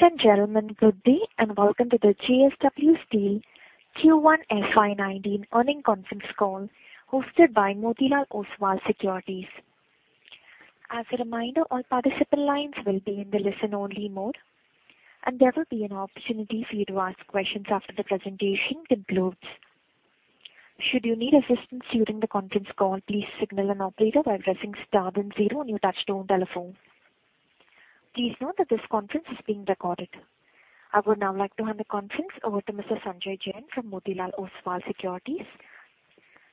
Ladies and gentlemen, good day and welcome to the JSW Steel Q1 FY2019 earning conference call hosted by Motilal Oswal Securities. As a reminder, all participant lines will be in the listen-only mode, and there will be an opportunity for you to ask questions after the presentation concludes. Should you need assistance during the conference call, please signal an operator by pressing star then zero on your touchstone telephone. Please note that this conference is being recorded. I would now like to hand the conference over to Mr. Sanjay Jain from Motilal Oswal Financial Services.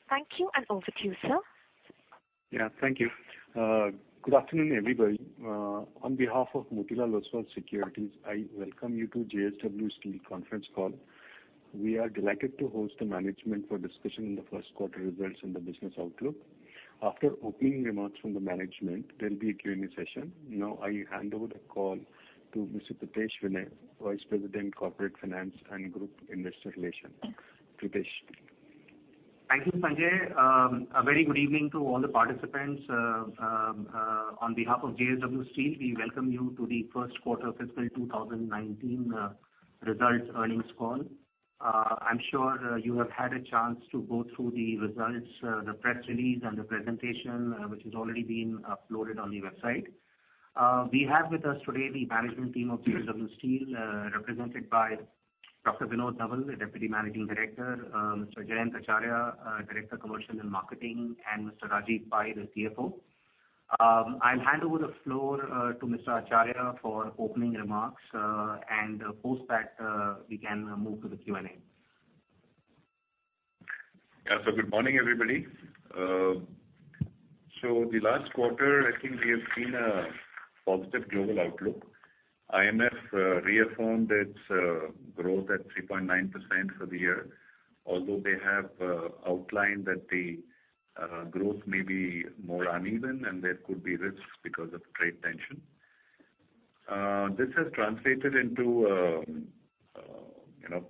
Thank you, and over to you, sir. Yeah, thank you. Good afternoon, everybody. On behalf of Motilal Oswal Services, I welcome you to JSW Steel conference call. We are delighted to host the management for discussion on the first quarter results and the business outlook. After opening remarks from the management, there'll be a Q&A session. Now, I hand over the call to Mr. Pritesh Vinay, Vice President, Corporate Finance and Group Investor Relations. Pritesh. Thank you, Sanjay. A very good evening to all the participants. On behalf of JSW Steel, we welcome you to the first quarter of fiscal 2019 results earnings call. I'm sure you have had a chance to go through the results, the press release, and the presentation, which has already been uploaded on the website. We have with us today the management team of JSW Steel, represented by Dr. Vinod Nowal, the Deputy Managing Director; Mr. Jayant Acharya, Director of Commercial and Marketing; and Mr. Rajeev Pai, the CFO. I'll hand over the floor to Mr. Acharya for opening remarks, and post that, we can move to the Q&A. Yeah, good morning, everybody. The last quarter, I think we have seen a positive global outlook. IMF reaffirmed its growth at 3.9% for the year, although they have outlined that the growth may be more uneven and there could be risks because of trade tension. This has translated into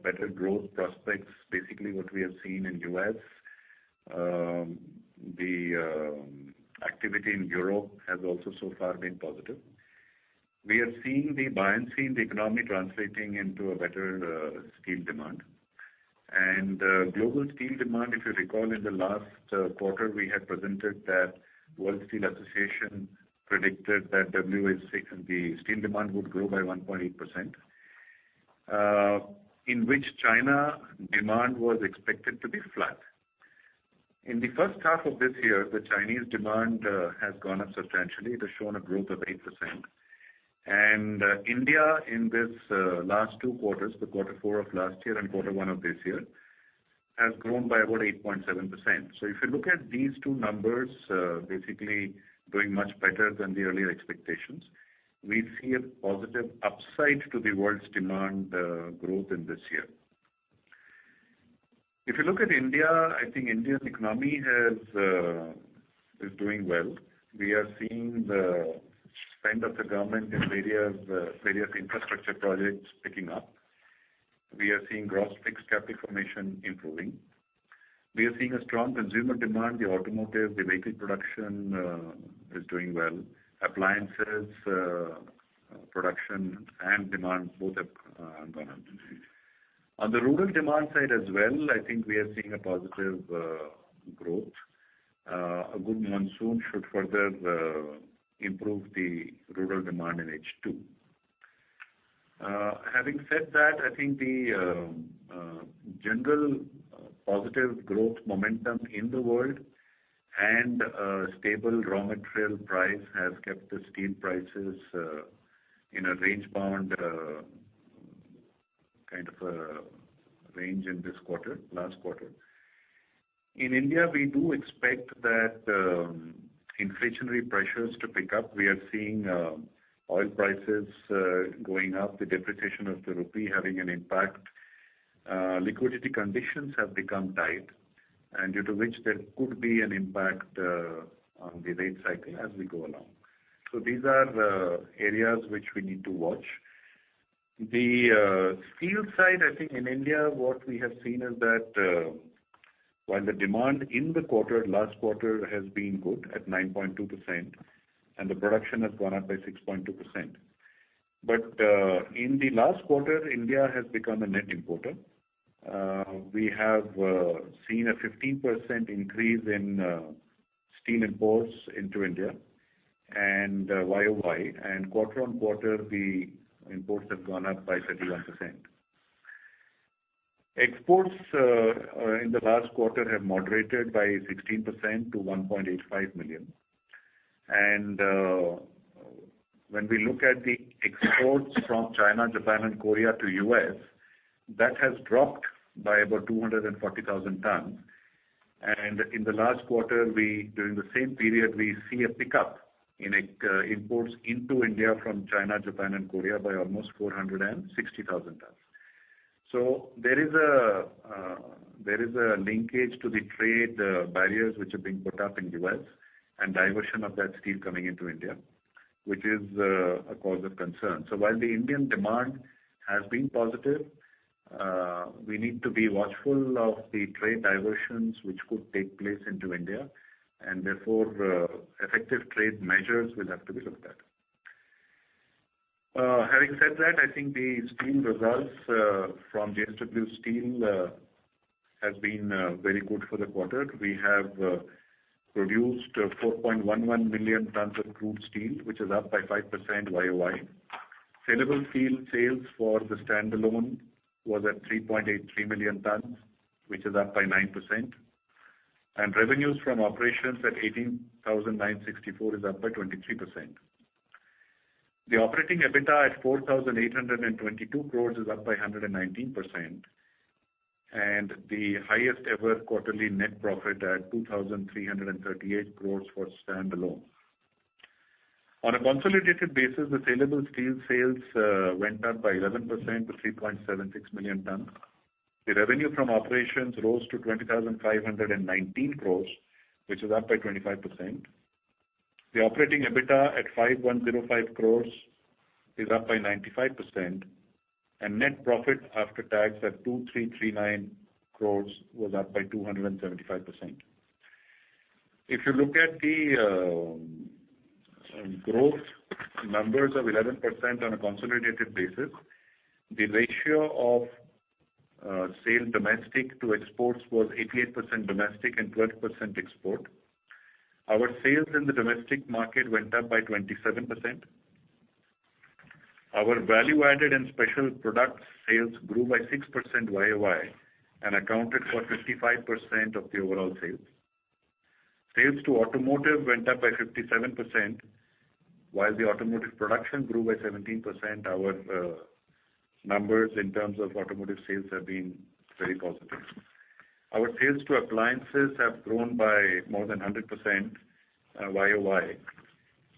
better growth prospects, basically what we have seen in the U.S. The activity in Europe has also so far been positive. We have seen the balance sheet and the economy translating into a better steel demand. Global steel demand, if you recall, in the last quarter, we had presented that World Steel Association predicted that the steel demand would grow by 1.8%, in which China demand was expected to be flat. In the first half of this year, the Chinese demand has gone up substantially. It has shown a growth of 8%. India, in this last two quarters, the quarter four of last year and quarter one of this year, has grown by about 8.7%. If you look at these two numbers, basically doing much better than the earlier expectations, we see a positive upside to the world's demand growth in this year. If you look at India, I think India's economy is doing well. We are seeing the spend of the government in various infrastructure projects picking up. We are seeing gross fixed capital formation improving. We are seeing a strong consumer demand. The automotive, the vehicle production is doing well. Appliances production and demand both have gone up. On the rural demand side as well, I think we are seeing a positive growth. A good monsoon should further improve the rural demand in H2. Having said that, I think the general positive growth momentum in the world and stable raw material price has kept the steel prices in a range-bound kind of range in this quarter, last quarter. In India, we do expect that inflationary pressures to pick up. We are seeing oil prices going up, the depreciation of the rupee having an impact. Liquidity conditions have become tight, and due to which there could be an impact on the rate cycle as we go along. These are areas which we need to watch. The steel side, I think in India, what we have seen is that while the demand in the quarter, last quarter, has been good at 9.2%, and the production has gone up by 6.2%. In the last quarter, India has become a net importer. We have seen a 15% increase in steel imports into India and YoY. Quarter-on-quarter, the imports have gone up by 31%. Exports in the last quarter have moderated by 16% to 1.85 million. When we look at the exports from China, Japan, and Korea to the U.S., that has dropped by about 240,000 tons. In the last quarter, during the same period, we see a pickup in imports into India from China, Japan, and Korea by almost 460,000 tons. There is a linkage to the trade barriers which are being put up in the U.S. and diversion of that steel coming into India, which is a cause of concern. While the Indian demand has been positive, we need to be watchful of the trade diversions which could take place into India, and therefore effective trade measures will have to be looked at. Having said that, I think the steel results from JSW Steel have been very good for the quarter. We have produced 4.11 million tons of crude steel, which is up by 5% YoY. Saleable steel sales for the standalone was at 3.83 million tons, which is up by 9%. Revenues from operations at 18,964 crore is up by 23%. The Operating EBITDA at 4,822 crore is up by 119%, and the highest ever quarterly net profit at 2,338 crore for standalone. On a consolidated basis, the saleable steel sales went up by 11% to 3.76 million tons. The revenue from operations rose to 20,519 crore, which is up by 25%. The Operating EBITDA at 5,105 crore is up by 95%, and net profit after tax at 2,339 crore was up by 275%. If you look at the growth numbers of 11% on a consolidated basis, the ratio of sale domestic to exports was 88% domestic and 12% export. Our sales in the domestic market went up by 27%. Our value-added and special product sales grew by 6% YoY and accounted for 55% of the overall sales. Sales to automotive went up by 57%, while the automotive production grew by 17%. Our numbers in terms of automotive sales have been very positive. Our sales to appliances have grown by more than 100% YoY.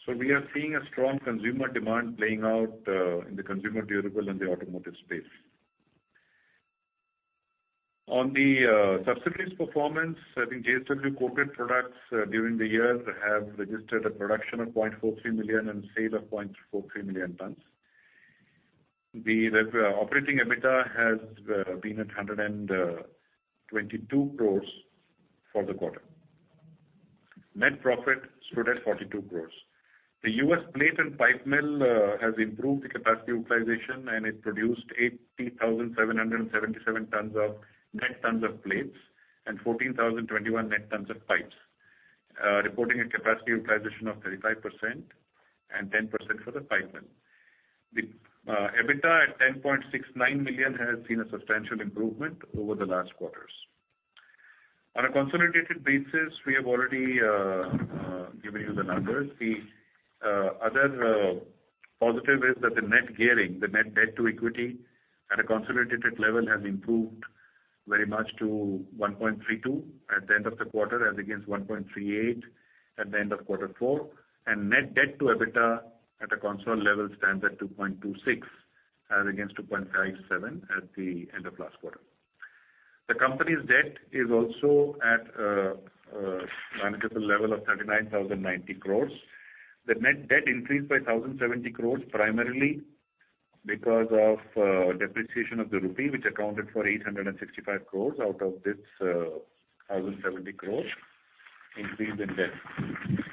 We are seeing a strong consumer demand playing out in the consumer durable and the automotive space. On the subsidiaries' performance, I think JSW Coated Products during the year have registered a production of 0.43 million tons and sale of 0.43 million tons. The Operating EBITDA has been at 122 crore for the quarter. Net profit stood at 42 crore. The U.S. Plate and Pipe Mill has improved the capacity utilization, and it produced 80,777 net tons of plates and 14,021 net tons of pipes, reporting a capacity utilization of 35% and 10% for the pipe mill. The EBITDA at $10.69 million has seen a substantial improvement over the last quarters. On a consolidated basis, we have already given you the numbers. The other positive is that the net gearing, the net debt to equity at a consolidated level has improved very much to 1.32 at the end of the quarter, as against 1.38 at the end of quarter four. Net debt-to-EBITDA at a consolidated level stands at 2.26, as against 2.57 at the end of last quarter. The company's debt is also at a manageable level of 39,090 crore. The net debt increased by 1,070 crore primarily because of depreciation of the rupee, which accounted for 865 crore out of this 1,070 crore increase in debt.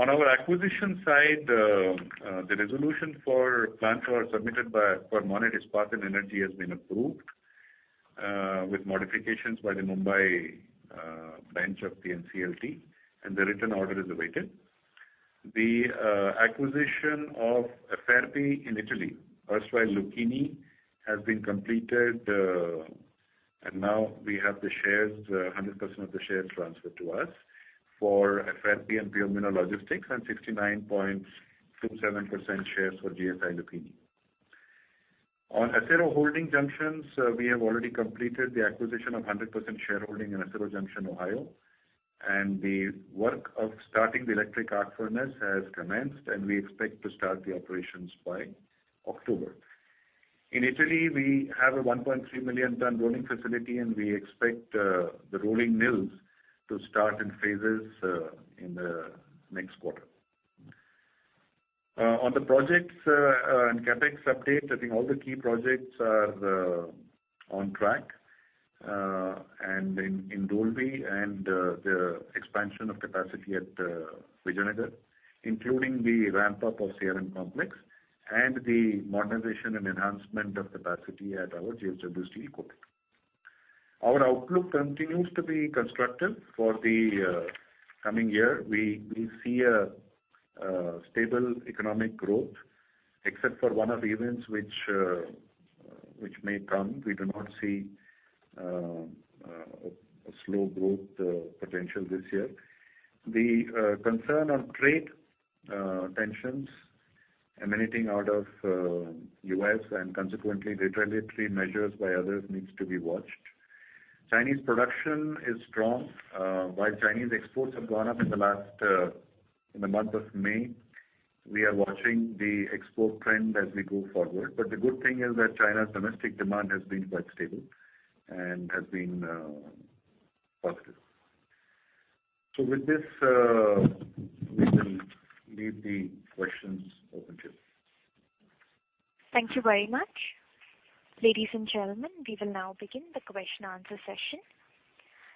On our acquisition side, the resolution for plants that are submitted for Monnet Ispat & Energy has been approved with modifications by the Mumbai bench of the NCLT, and the written order is awaited. The acquisition of Aferpi in Ita`ly, erstwhile Lucchini, has been completed, and now we have the shares, 100% of the shares transferred to us for Aferpi and Piombino Logistics and 69.27% shares for GSI Lucchini. On Acero Holding Junctions, we have already completed the acquisition of 100% shareholding in Acero Junction, Ohio, and the work of starting the electric arc furnace has commenced, and we expect to start the operations by October. In Italy, we have a 1.3 million ton rolling facility, and we expect the rolling mills to start in phases in the next quarter. On the projects and CapEx update, I think all the key projects are on track, and in Dolvi and the expansion of capacity at Vijayanagar, including the ramp-up of CRM complex and the modernization and enhancement of capacity at our JSW Steel Coated. Our outlook continues to be constructive for the coming year. We see a stable economic growth, except for one of the events which may come. We do not see a slow growth potential this year. The concern on trade tensions emanating out of the U.S. and consequently retaliatory measures by others needs to be watched. Chinese production is strong. While Chinese exports have gone up in the month of May, we are watching the export trend as we go forward. The good thing is that China's domestic demand has been quite stable and has been positive. With this, we will leave the questions open to you. Thank you very much. Ladies and gentlemen, we will now begin the question and answer session.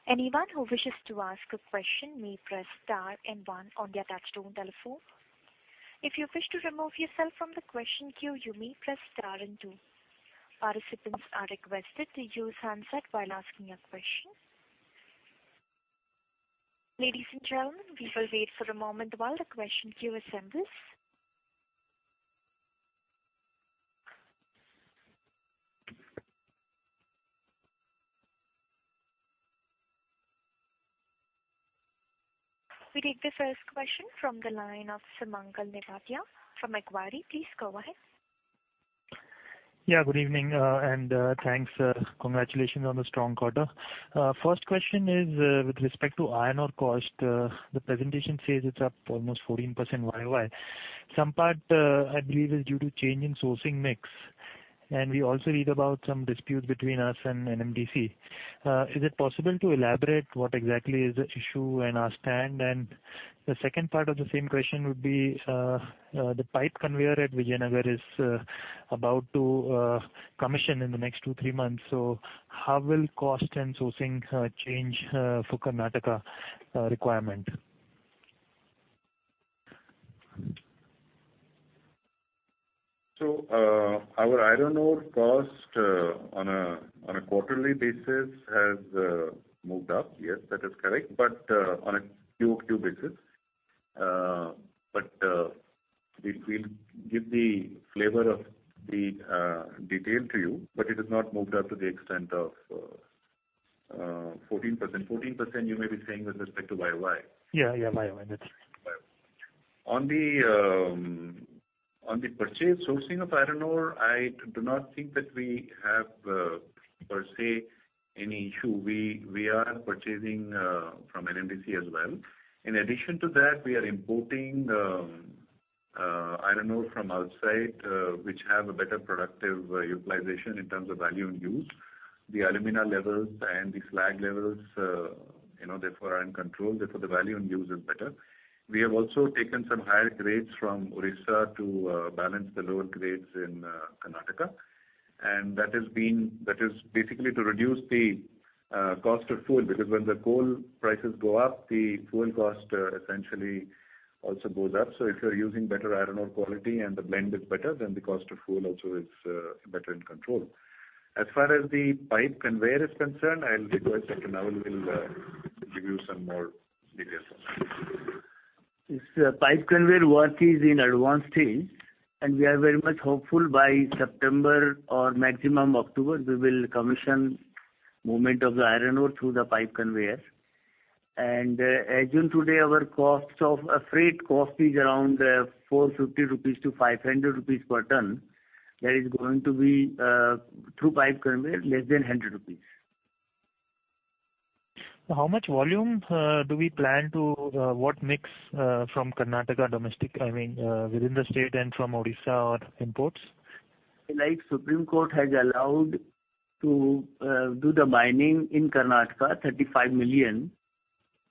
Anyone who wishes to ask a question may press star and one on the touchstone telephone. If you wish to remove yourself from the question queue, you may press star and two. Participants are requested to use handset while asking a question. Ladies and gentlemen, we will wait for a moment while the question queue assembles. We take the first question from the line of Sumangal Nevatia from Macquarie. Please go ahead. Yeah, good evening, and thanks. Congratulations on the strong quarter. First question is with respect to iron ore cost. The presentation says it's up almost 14% YoY. Some part, I believe, is due to change in sourcing mix, and we also read about some disputes between us and NMDC. Is it possible to elaborate what exactly is the issue and our stand? The second part of the same question would be the pipe conveyor at Vijayanagar is about to commission in the next two, three months. How will cost and sourcing change for Karnataka requirement? Our iron ore cost on a quarterly basis has moved up. Yes, that is correct, on a QoQ basis. We'll give the flavor of the detail to you, but it has not moved up to the extent of 14%. 14%, you may be saying with respect to YoY. Yeah, yeah, YoY. That's right. On the purchase sourcing of iron ore, I do not think that we have per se any issue. We are purchasing from NMDC as well. In addition to that, we are importing iron ore from outside, which have a better productive utilization in terms of value and use. The alumina levels and the slag levels, therefore, are in control. Therefore, the value and use is better. We have also taken some higher grades from Odisha to balance the lower grades in Karnataka. That is basically to reduce the cost of fuel because when the coal prices go up, the fuel cost essentially also goes up. If you're using better iron ore quality and the blend is better, then the cost of fuel also is better in control. As far as the pipe conveyor is concerned, I'll request Dr. Nowal will give you some more details on that. This pipe conveyor work is in advanced stage, and we are very much hopeful by September or maximum October, we will commission movement of the iron ore through the pipe conveyor. As of today, our freight cost is around 450-500 rupees per ton. That is going to be through pipe conveyor less than 100 rupees. How much volume do we plan to what mix from Karnataka domestic, I mean, within the state and from Odisha or imports? Like Supreme Court has allowed to do the mining in Karnataka, 35 million.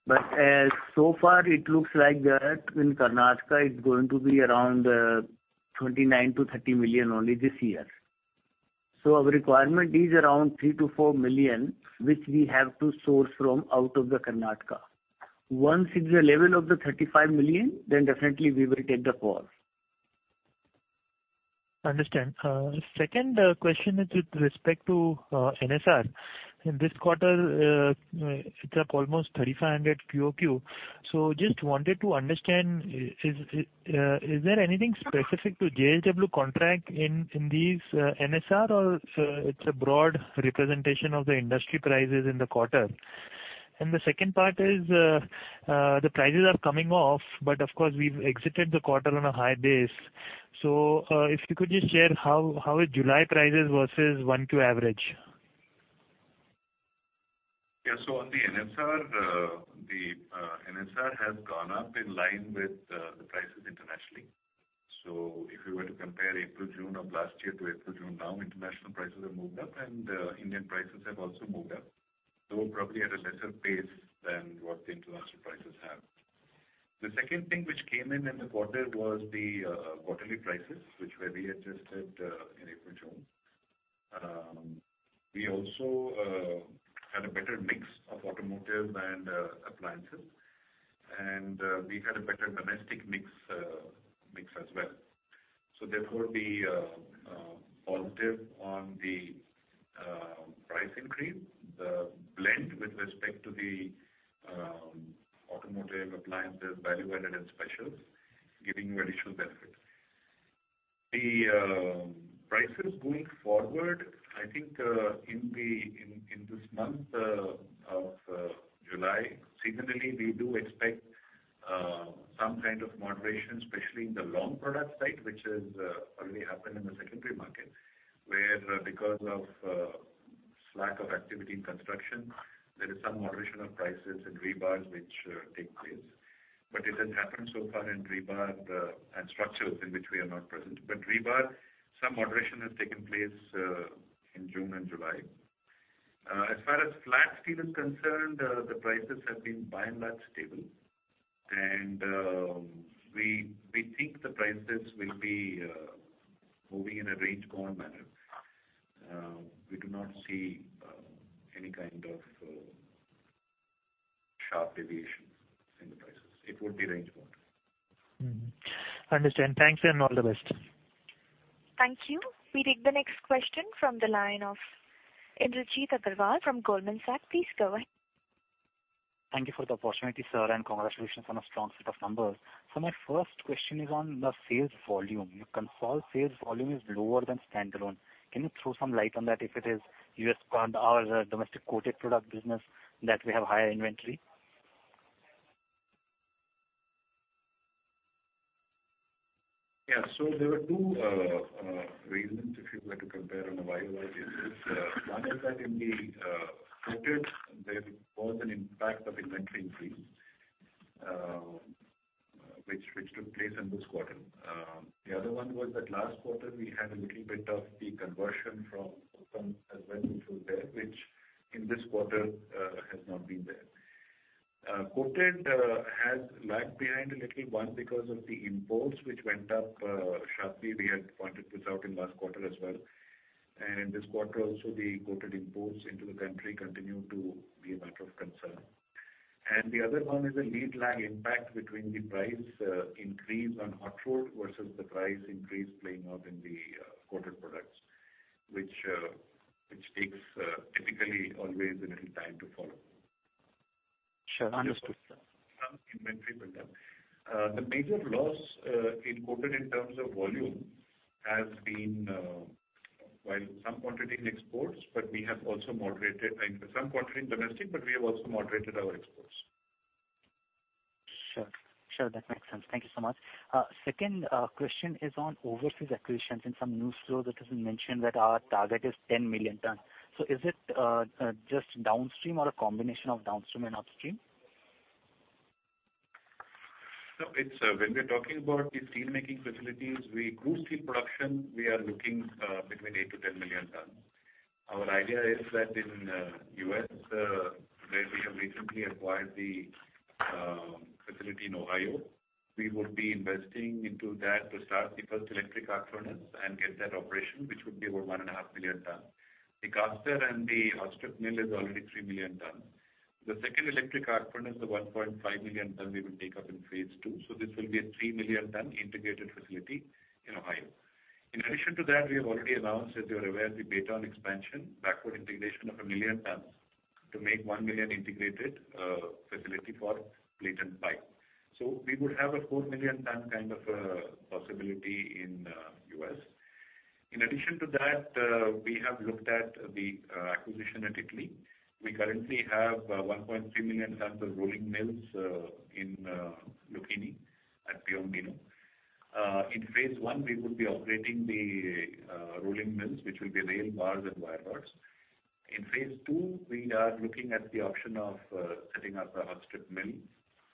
However, it looks like that in Karnataka, it's going to be around 29 million-30 million only this year. Our requirement is around 3 million-4 million, which we have to source from out of Karnataka. Once it's the level of the 35 million, then definitely we will take the call. Understand. Second question is with respect to NSR. In this quarter, it's up almost 3,500 QoQ. Just wanted to understand, is there anything specific to JSW contract in these NSR, or it's a broad representation of the industry prices in the quarter? The second part is the prices are coming off, but of course, we've exited the quarter on a high base. If you could just share how is July prices versus 1Q average? Yeah. On the NSR, the NSR has gone up in line with the prices internationally. If you were to compare April-June of last year to April-June now, international prices have moved up, and Indian prices have also moved up, probably at a lesser pace than what the international prices have. The second thing which came in in the quarter was the quarterly prices, which were readjusted in April-June. We also had a better mix of automotive and appliances, and we had a better domestic mix as well. Therefore, the positive on the price increase, the blend with respect to the automotive appliances, value-added and specials, giving you additional benefit. The prices going forward, I think in this month of July, seasonally, we do expect some kind of moderation, especially in the long product side, which has already happened in the secondary market, where because of slack of activity in construction, there is some moderation of prices in rebars which take place. It has happened so far in rebar and structures in which we are not present. Rebar, some moderation has taken place in June and July. As far as flat steel is concerned, the prices have been by and large stable, and we think the prices will be moving in a range-bound manner. We do not see any kind of sharp deviation in the prices. It would be range-bound. Understand. Thanks and all the best. Thank you. We take the next question from the line of Indrajit Agarwal from Goldman Sachs. Please go ahead. Thank you for the opportunity, sir, and congratulations on a strong set of numbers. My first question is on the sales volume. Your consolidated sales volume is lower than standalone. Can you throw some light on that if it is U.S. or domestic coated product business that we have higher inventory? Yeah. There were two reasons if you were to compare on a YoY basis. One is that in the coated, there was an impact of inventory increase which took place in this quarter. The other one was that last quarter, we had a little bit of the conversion from open as well which was there, which in this quarter has not been there. Coated has lagged behind a little, one because of the imports which went up sharply. We had pointed this out in last quarter as well. This quarter also, the coated imports into the country continue to be a matter of concern. The other one is a lead lag impact between the price increase on hot rolled versus the price increase playing out in the coated products, which takes typically always a little time to follow. Sure. Understood. Some inventory built up. The major loss in Coated in terms of volume has been while some quantity in exports, but we have also moderated some quantity in domestic, but we have also moderated our exports. Sure. Sure. That makes sense. Thank you so much. Second question is on overseas acquisitions and some news flow that has been mentioned that our target is 10 million ton. Is it just downstream or a combination of downstream and upstream? When we're talking about the steelmaking facilities, we grew steel production. We are looking between 8 million-10 million ton. Our idea is that in the U.S., where we have recently acquired the facility in Ohio, we would be investing into that to start the first electric arc furnace and get that operation, which would be about 1.5 million ton. The caster and the hot strip mill is already 3 million ton. The second electric arc furnace, the 1.5 million ton we will take up in phase II. This will be a 3-million-ton integrated facility in Ohio. In addition to that, we have already announced, as you're aware, the Baytown expansion, backward integration of 1 million ton to make 1 million integrated facility for plate and pipe. We would have a 4 million ton kind of possibility in the U.S. In addition to that, we have looked at the acquisition at Italy. We currently have 1.3 million ton for rolling mills in Lucchini at Piombino. In phase I, we would be operating the rolling mills, which will be rail bars and wire rods. In phase II, we are looking at the option of setting up a hot strip mill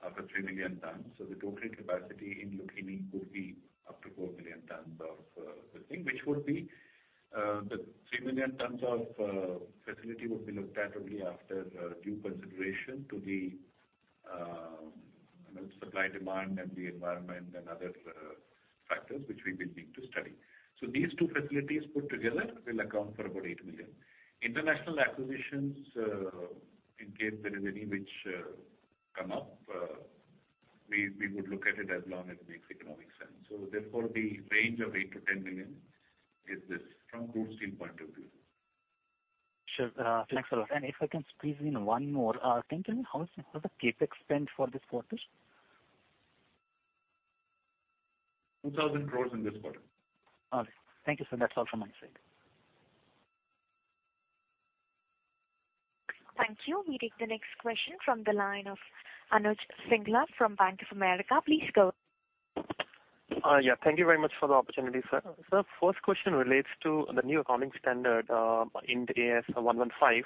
of a 3 million ton. The total capacity in Lucchini could be up to 4 million tons of the thing, which would be the 3 million tons of facility would be looked at only after due consideration to the supply demand and the environment and other factors which we will need to study. These two facilities put together will account for about 8 million. International acquisitions, in case there is any which come up, we would look at it as long as it makes economic sense. Therefore, the range of 8 million-10 million is this from crude steel point of view. Sure. Thanks a lot. If I can squeeze in one more, can you tell me how is the CapEx spent for this quarter? 2,000 crore in this quarter. All right. Thank you, sir. That's all from my side. Thank you. We take the next question from the line of Anuj Singla from Bank of America. Please go. Yeah. Thank you very much for the opportunity, sir. Sir, first question relates to the new accounting standard Ind AS 115.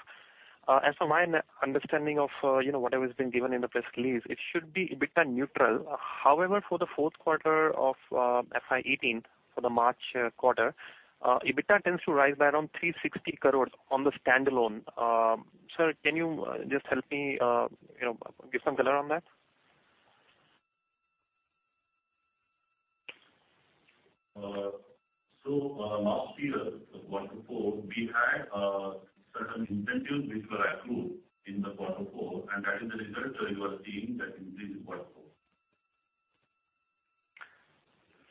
As for my understanding of whatever has been given in the press release, it should be EBITDA neutral. However, for the fourth quarter of FY 2018, for the March quarter, EBITDA tends to rise by around 3.60 billion on the standalone. Sir, can you just help me give some color on that? Last year, quarter four, we had certain incentives which were accrued in the quarter four, and that is the result you are seeing that increase in quarter four.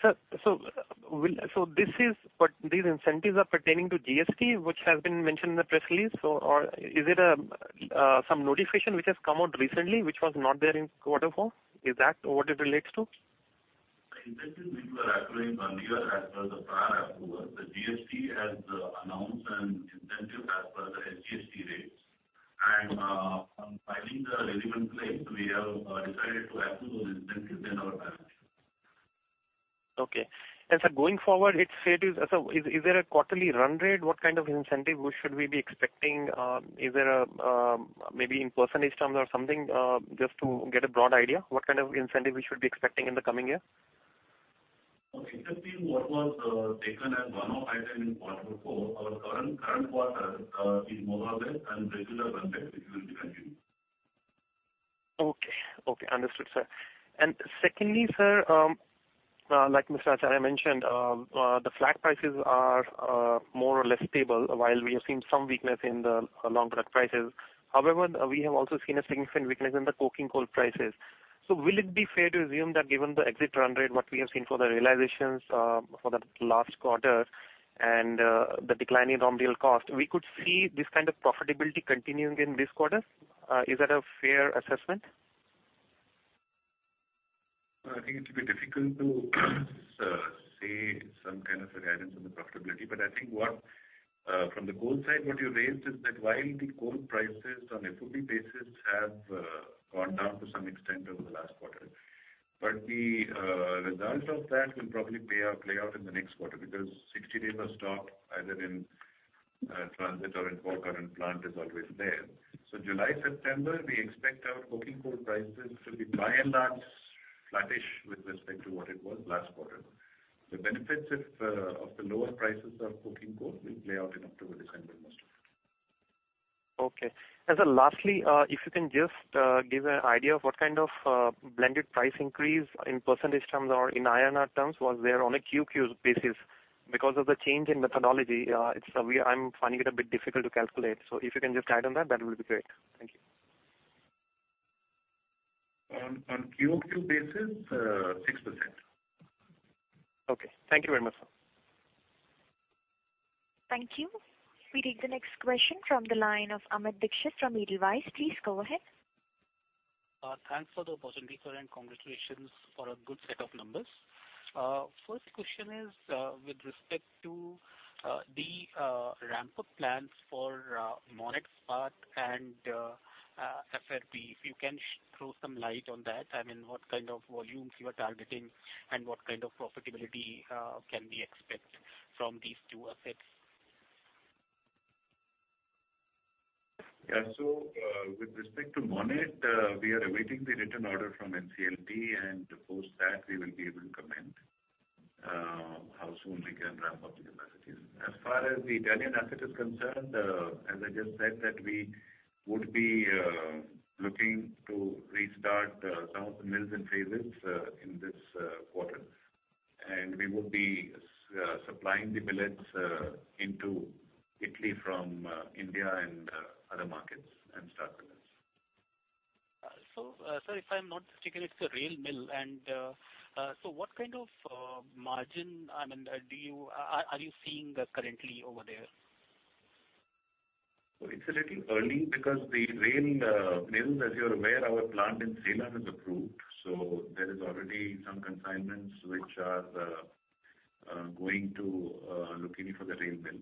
Sir, is this what these incentives are pertaining to GST, which has been mentioned in the press release, or is it some notification which has come out recently which was not there in quarter four? Is that what it relates to? Incentives which were accruing earlier as per the prior approval. The GST has announced an incentive as per the SGST rates. On filing the relevant claims, we have decided to accrue those incentives in our balance sheet. Okay. Sir, going forward, let's say, is there a quarterly run rate? What kind of incentive should we be expecting? Is there maybe in percentage terms or something just to get a broad idea? What kind of incentive we should be expecting in the coming year? Okay. Incentive what was taken as one-off item in quarter four, our current quarter is more or less on regular run rate which will be continued. Okay. Okay. Understood, sir. Secondly, sir, like Mr. Acharya mentioned, the flat prices are more or less stable while we have seen some weakness in the long product prices. However, we have also seen a significant weakness in the coking coal prices. Will it be fair to assume that given the exit run rate, what we have seen for the realizations for the last quarter and the declining on real cost, we could see this kind of profitability continuing in this quarter? Is that a fair assessment? I think it's a bit difficult to say some kind of a guidance on the profitability. I think from the coal side, what you raised is that while the coal prices on a FOB basis have gone down to some extent over the last quarter, the result of that will probably play out in the next quarter because 60 days of stock either in transit or in port or in plant is always there. July-September, we expect our coking coal prices to be by and large flattish with respect to what it was last quarter. The benefits of the lower prices of coking coal will play out in October-December, most of it. Okay. Sir, lastly, if you can just give an idea of what kind of blended price increase in percentage terms or in INR terms was there on a QoQ basis because of the change in methodology. I'm finding it a bit difficult to calculate. If you can just add on that, that will be great. Thank you. On QoQ basis, 6%. Okay. Thank you very much, sir. Thank you. We take the next question from the line of Amit Dixit from Edelweiss. Please go ahead. Thanks for the opportunity sir, and congratulations for a good set of numbers. First question is with respect to the ramp-up plans for Monnet Ispat and Aferpi. If you can throw some light on that, I mean, what kind of volumes you are targeting and what kind of profitability can we expect from these two assets? Yeah. With respect to Monnet, we are awaiting the written order from NCLT, and post that, we will be able to comment how soon we can ramp up the capacity. As far as the Italian asset is concerned, as I just said, we would be looking to restart some of the mills in phases in this quarter. We would be supplying the billets into Italy from India and other markets and start the buisness. Sir, if I'm not mistaken, it's a rail mill. And so what kind of margin, I mean, are you seeing currently over there? It is a little early because the rail mills, as you're aware, our plant in Salem is approved. There are already some consignments which are going to Lucchini for the rail mill.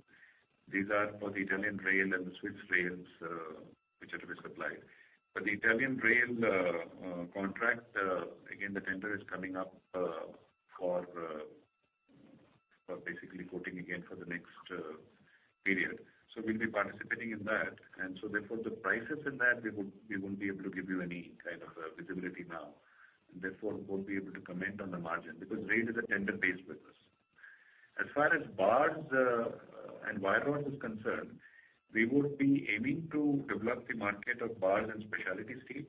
These are for the Italian rail and the Swiss rails which are to be supplied. The Italian rail contract, again, the tender is coming up for basically quoting again for the next period. We will be participating in that. Therefore, the prices in that, we would not be able to give you any kind of visibility now. Therefore, we will not be able to comment on the margin because rail is a tender-based business. As far as bars and wire rods is concerned, we would be aiming to develop the market of bars and specialty steel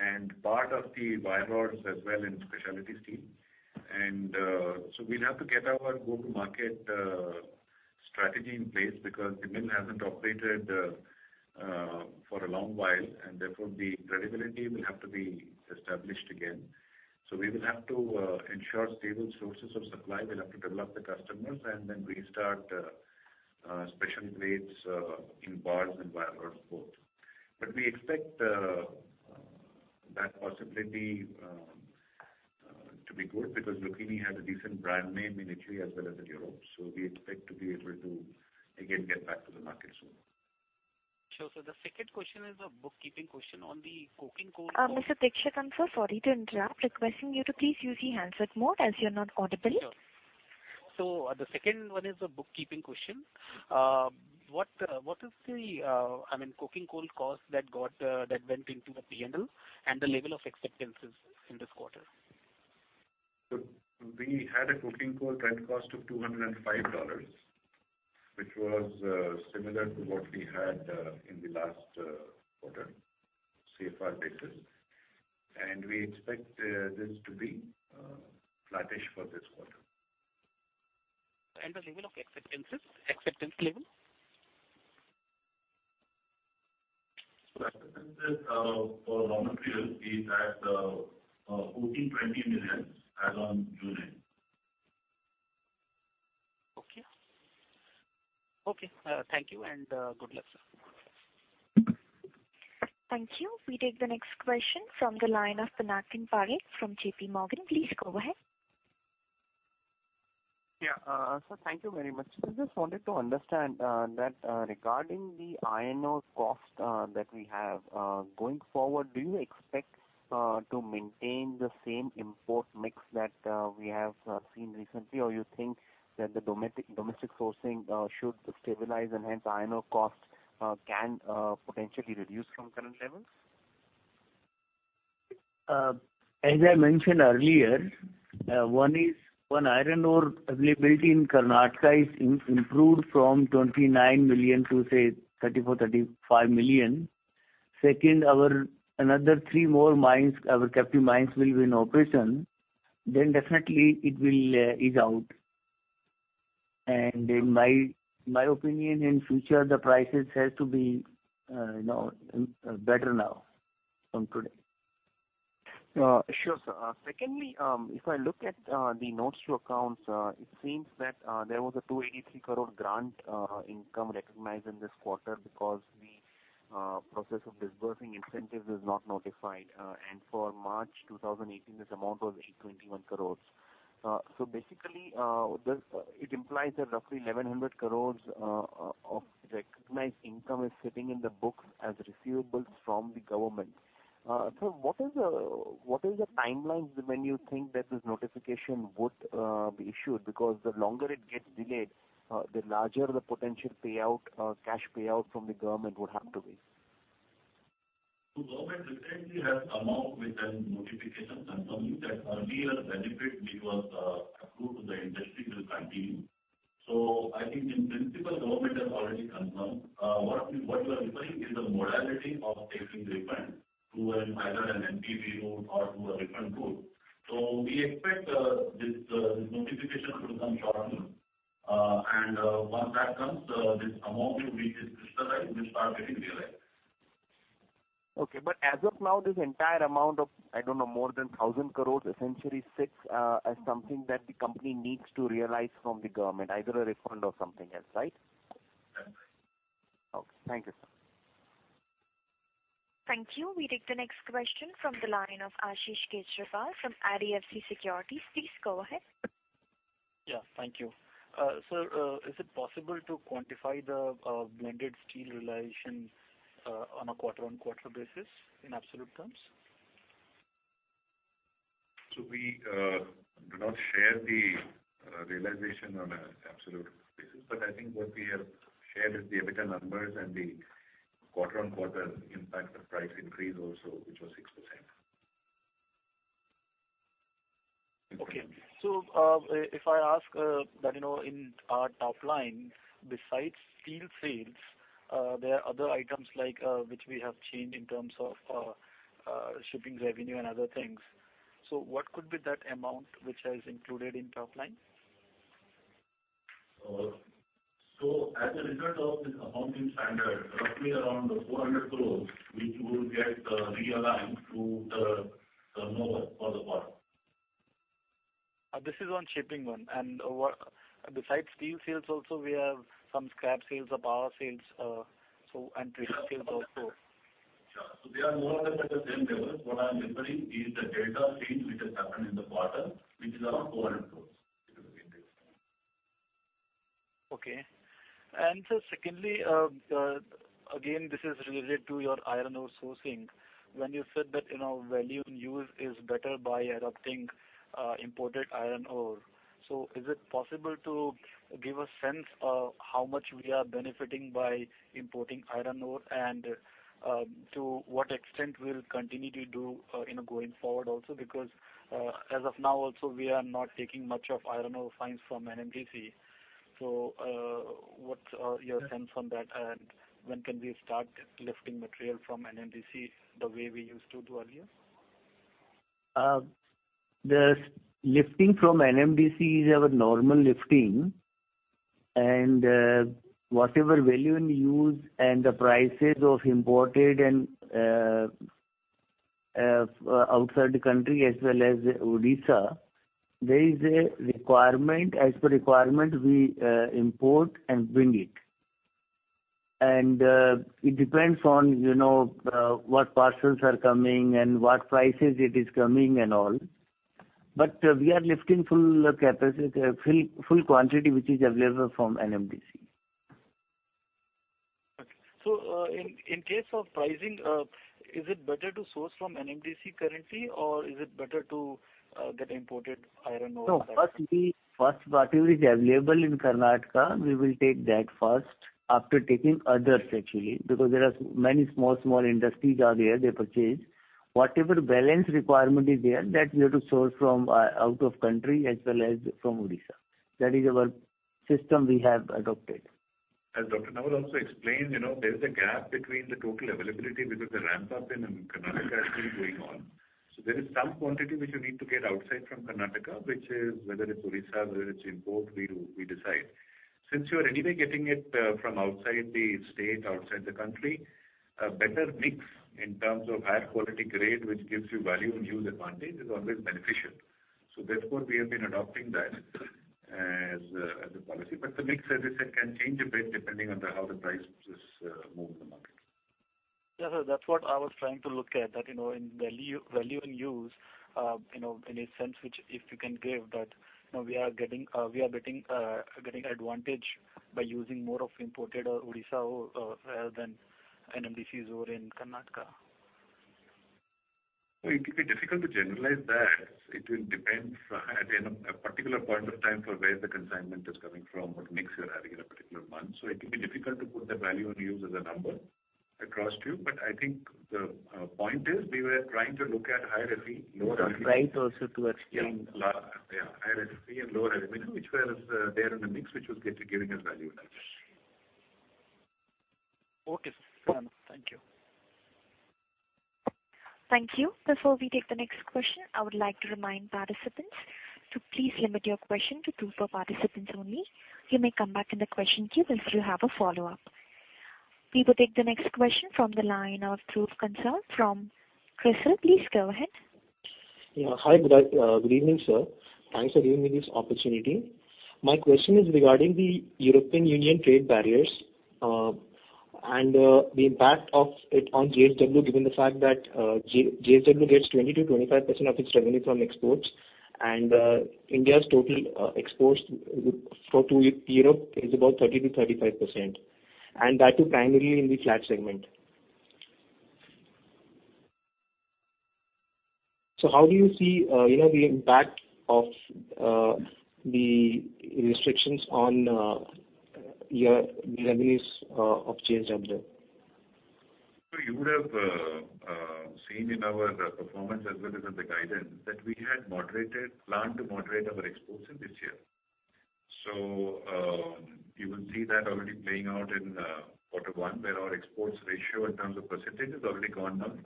and part of the wire rods as well in specialty steel. We will have to get our go-to-market strategy in place because the mill has not operated for a long while, and therefore, the credibility will have to be established again. We will have to ensure stable sources of supply. We will have to develop the customers and then restart special plates in bars and wire rods both. We expect that possibility to be good because Lucchini has a decent brand name in Italy as well as in Europe. We expect to be able to, again, get back to the market soon. Sure. The second question is a bookkeeping question on the coking coal. Mr. Dixit, answer. Sorry to interrupt. Requesting you to please use your handset mode as you're not audible. Sure. The second one is a bookkeeping question. What is the, I mean, coking coal cost that went into the P&L and the level of acceptances in this quarter? We had a coking coal trade cost of $205, which was similar to what we had in the last quarter CFR basis. We expect this to be flattish for this quarter. The level of acceptances, acceptance level? Acceptances for raw materials is at 14.20 million as of June. Okay. Okay. Thank you and good luck, sir. Thank you. We take the next question from the line of Pinakin Parekh from JP Morgan. Please go ahead. Yeah. Sir, thank you very much. I just wanted to understand that regarding the INR cost that we have going forward, do you expect to maintain the same import mix that we have seen recently, or you think that the domestic sourcing should stabilize and hence INR cost can potentially reduce from current levels? As I mentioned earlier, one, iron ore availability in Karnataka is improved from 29 million to say 34 milion-35 million. Second, another three more mines, our captive mines, will be in operation. It will definitely ease out. In my opinion, in future, the prices have to be better now from today. Sure, sir. Secondly, if I look at the notes to accounts, it seems that there was an 283 crore grant income recognized in this quarter because the process of disbursing incentives is not notified. For March 2018, this amount was 821 crore. Basically, it implies that roughly 1,100 crore of recognized income is sitting in the books as receivables from the government. Sir, what is the timeline when you think that this notification would be issued? The longer it gets delayed, the larger the potential cash payout from the government would have to be. To government, the same we have amount within notification confirming that earlier benefit which was approved to the industry will continue. I think in principle, government has already confirmed. What you are referring is the modality of taking refund through either an NPV route or through a refund route. We expect this notification to become shortened. Once that comes, this amount which is crystallized will start getting realized. Okay. As of now, this entire amount of, I do not know, more than 1,000 crore, essentially sits as something that the company needs to realize from the government, either a refund or something else, right? That's right. Okay. Thank you, sir. Thank you. We take the next question from the line of Ashish Kejriwal from IDFC Securities. Please go ahead. Yeah. Thank you. Sir, is it possible to quantify the blended steel realization on a quarter-on-quarter basis in absolute terms? We do not share the realization on an absolute basis. I think what we have shared is the EBITDA numbers and the quarter-on-quarter impact of price increase also, which was 6%. Okay. If I ask that in our top line, besides steel sales, there are other items which we have changed in terms of shipping revenue and other things. What could be that amount which is included in top line? As a result of this accounting standard, roughly around 400 crore, which will get realigned to the turnover for the quarter. This is on shipping one. Besides steel sales, also we have some scrap sales, power sales, and trading sales also. Sure. There are more or less at the same level. What I'm referring to is the delta change which has happened in the quarter, which is around 400 crore. Okay. Sir, secondly, again, this is related to your iron ore sourcing. When you said that value in use is better by adopting imported iron ore, is it possible to give a sense of how much we are benefiting by importing iron ore and to what extent we'll continue to do going forward also? As of now, also we are not taking much of iron ore fines from NMDC. What's your sense on that? When can we start lifting material from NMDC the way we used to do earlier? The lifting from NMDC is our normal lifting. Whatever value in use and the prices of imported and outside the country as well as Odisha, there is a requirement. As per requirement, we import and bring it. It depends on what parcels are coming and what prices it is coming and all. We are lifting full quantity which is available from NMDC. Okay. In case of pricing, is it better to source from NMDC currently, or is it better to get imported iron ore? No. First, whatever is available in Karnataka, we will take that first after taking others, actually, because there are many small, small industries out there, they purchase. Whatever balance requirement is there, that we have to source from out of country as well as from Odisha. That is our system we have adopted. As Dr. Nowal also explained, there is a gap between the total availability because the ramp-up in Karnataka is still going on. There is some quantity which you need to get outside from Karnataka, which is whether it's Odisha, whether it's import, we decide. Since you are anyway getting it from outside the state, outside the country, a better mix in terms of higher quality grade, which gives you value in use advantage, is always beneficial. Therefore, we have been adopting that as a policy. The mix, as I said, can change a bit depending on how the prices move in the market. Yeah. Sir, that's what I was trying to look at, that in value in use, in a sense which if you can give that we are getting advantage by using more of imported Odisha or rather than NMDC's or in Karnataka. It will be difficult to generalize that. It will depend at a particular point of time for where the consignment is coming from, what mix you're having in a particular month. It will be difficult to put the value in use as a number across to you. I think the point is we were trying to look at higher Fe, lower alumina. That's right, also to explain. Yeah. Higher Fe and lower alumina, which were there in the mix, which was giving us value in use. Okay. Thank you. Thank you. Before we take the next question, I would like to remind participants to please limit your question to two per participant only. You may come back in the question queue if you have a follow-up. We will take the next question from the line of Dhruv Consul from Crisil. Please go ahead. Yeah. Hi. Good evening, sir. Thanks for giving me this opportunity. My question is regarding the European Union Trade barriers and the impact of it on JSW, given the fact that JSW gets 20%-25% of its revenue from exports, and India's total exports for Europe is about 30%-35%. That too primarily in the flat segment. How do you see the impact of the restrictions on the revenues of JSW? You would have seen in our performance as well as in the guidance that we had planned to moderate our exports in this year. You will see that already playing out in quarter one, where our exports ratio in terms of percentage has already gone down to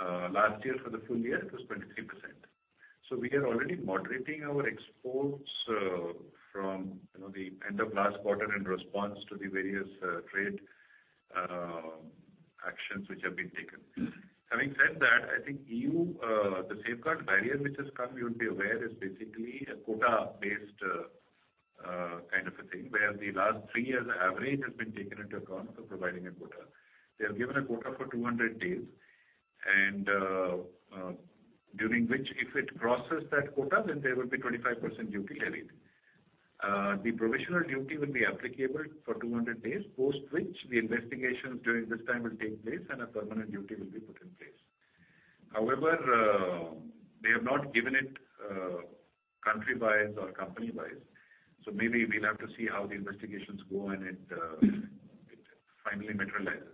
12%. Last year, for the full year, it was 23%. We are already moderating our exports from the end of last quarter in response to the various trade actions which have been taken. Having said that, I think the safeguard barrier which has come, you'll be aware, is basically a quota-based kind of a thing, where the last three years' average has been taken into account for providing a quota. They have given a quota for 200 days, and during which, if it crosses that quota, then there will be 25% duty levied. The provisional duty will be applicable for 200 days, post which the investigations during this time will take place, and a permanent duty will be put in place. However, they have not given it country-wise or company-wise. Maybe we will have to see how the investigations go and it finally materializes.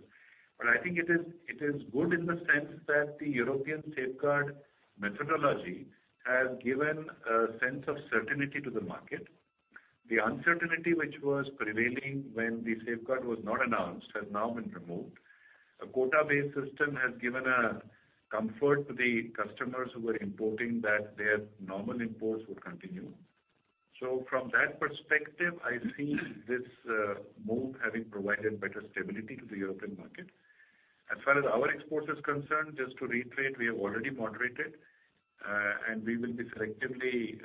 I think it is good in the sense that the European safeguard methodology has given a sense of certainty to the market. The uncertainty which was prevailing when the safeguard was not announced has now been removed. A quota-based system has given comfort to the customers who were importing that their normal imports would continue. From that perspective, I see this move having provided better stability to the European market. As far as our exports are concerned, just to reiterate, we have already moderated, and we will be selectively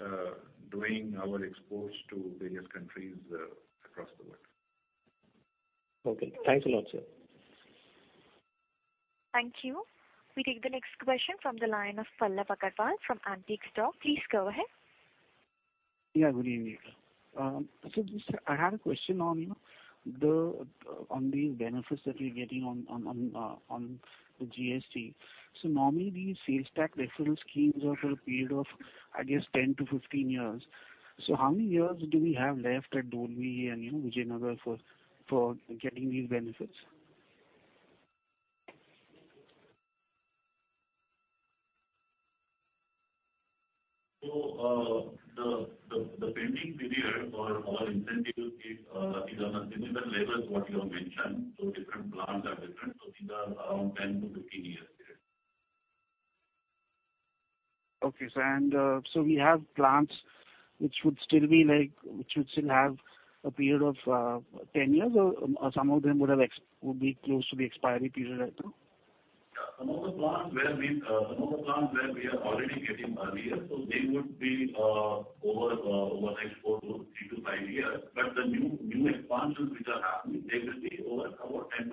doing our exports to various countries across the world. Okay. Thanks a lot, sir. Thank you. We take the next question from the line of Pallav Agarwal from Antique Stock. Please go ahead. Yeah. Good evening, sir. I had a question on the benefits that we're getting on the GST. Normally, these sales tax referral schemes are for a period of, I guess, 10 years-15 years. How many years do we have left at Dolvi and Vijayanagar for getting these benefits? The pending period for our incentives is on a similar level as what you have mentioned. Different plans are different. These are around 10 years-15 years period. Okay, sir. We have plants which would still be like which would still have a period of 10 years, or some of them would be close to the expiry period right now? Yeah. Some of the plants where we are already getting earlier, so they would be over the next three to five years. But the new expansions which are happening, they will be over about 10 years-15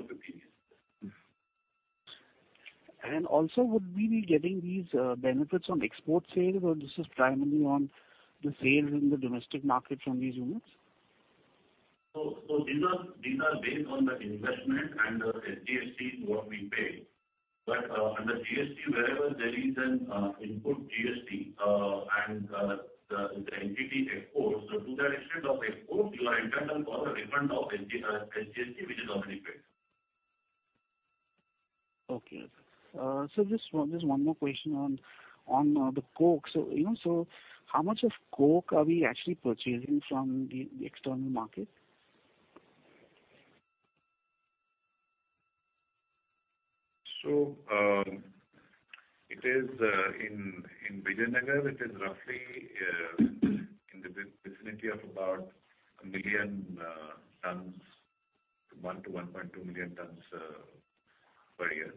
years. Would we be getting these benefits on export sales, or is this primarily on the sales in the domestic market from these units? These are based on the investment and the GST what we pay. Under GST, wherever there is an input GST and the entity exports, to that extent of exports, you are entitled for a refund of SGST, which is already paid. Okay. Sir, just one more question on the coke. How much of coke are we actually purchasing from the external market? In Vijayanagar, it is roughly in the vicinity of about 1 million tons, 1 million-1.2 million tons per year.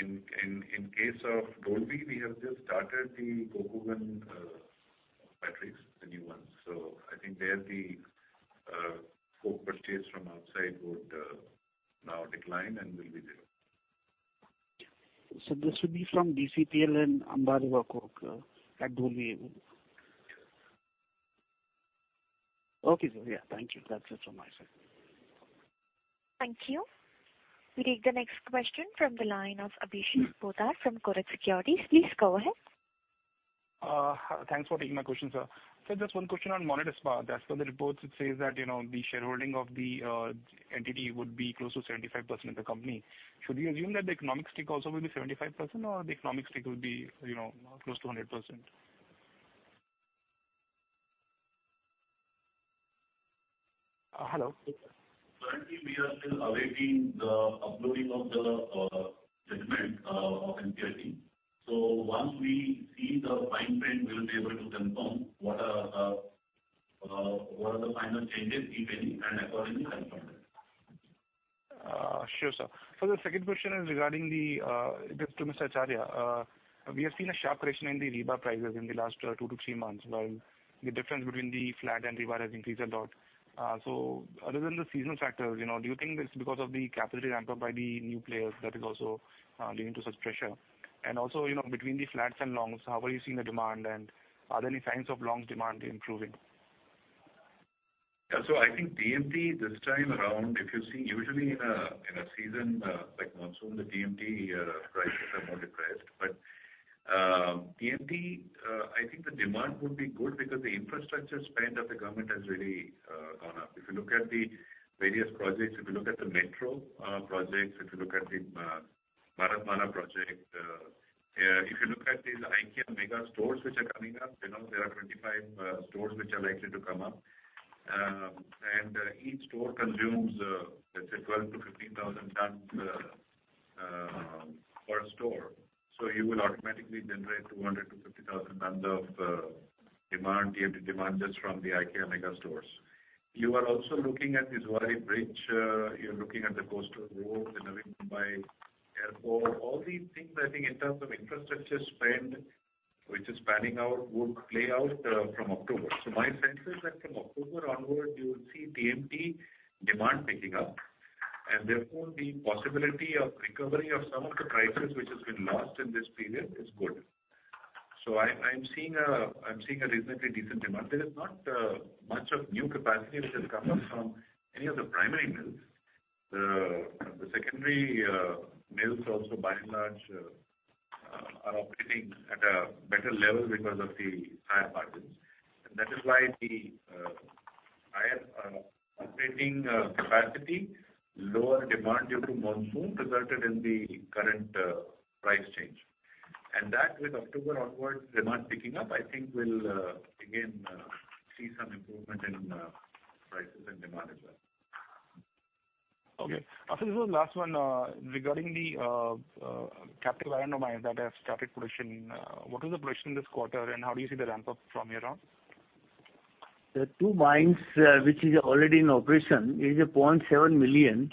In case of Dolvi, we have just started the coke oven batteries, the new ones. I think there the coke purchase from outside would now decline and will be zero. This would be from DCPL and Amba River Coke at Dolvi? Yes. Okay, sir. Yeah. Thank you. That's it from my side. Thank you. We take the next question from the line of Abhishek Poddar from Kotak Securities. Please go ahead. Thanks for taking my question, sir. Sir, just one question on Monnet Ispat. As per the reports, it says that the shareholding of the entity would be close to 75% of the company. Should we assume that the economic stake also will be 75%, or the economic stake will be close to 100%? Hello. Currently, we are still awaiting the uploading of the segment of NCLT. Once we see the fine print, we'll be able to confirm what are the final changes, if any, and accordingly confirm them. Sure, sir. The second question is regarding the just to Mr. Acharya, we have seen a sharp correction in the rebar prices in the last two to three months, while the difference between the flat and rebar has increased a lot. Other than the seasonal factors, do you think it's because of the capacity ramp-up by the new players that is also leading to such pressure? Also, between the flats and longs, how are you seeing the demand, and are there any signs of longs demand improving? Yeah. I think TMT this time around, if you've seen, usually in a season like monsoon, the TMT prices are more depressed. TMT, I think the demand would be good because the infrastructure spend of the government has really gone up. If you look at the various projects, if you look at the metro projects, if you look at the Bharatmala project, if you look at these IKEA mega stores which are coming up, there are 25 stores which are likely to come up. Each store consumes, let's say, 12 thousand-15 thousand tons per store. You will automatically generate 200 thousand-250 thousand tons of TMT demand just from the IKEA mega stores. You are also looking at the Zuari Bridge. You're looking at the coastal road, the Navi Mumbai Airport. All these things, I think in terms of infrastructure spend, which is panning out, would play out from October. My sense is that from October onward, you will see TMT demand picking up. Therefore, the possibility of recovery of some of the prices which has been lost in this period is good. I'm seeing a reasonably decent demand. There is not much of new capacity which has come up from any of the primary mills. The secondary mills also, by and large, are operating at a better level because of the higher margins. That is why the higher operating capacity, lower demand due to monsoon resulted in the current price change. With October onward, demand picking up, I think we'll again see some improvement in prices and demand as well. Okay. This was the last one. Regarding the captive iron ore mines that have started production, what was the production this quarter, and how do you see the ramp-up from here on? The two mines which are already in operation, it is 0.7 million.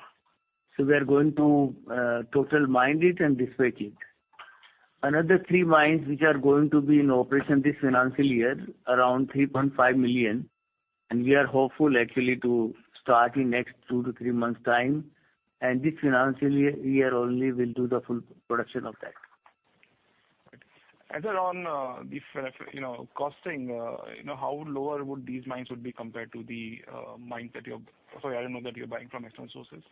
We are going to total mine it and dispatch it. Another three mines which are going to be in operation this financial year, around 3.5 million. We are hopeful, actually, to start in the next two to three months' time. This financial year only will do the full production of that. On the costing, how lower would these mines be compared to the mines that you have, sorry, I do not know that you are buying from external sources.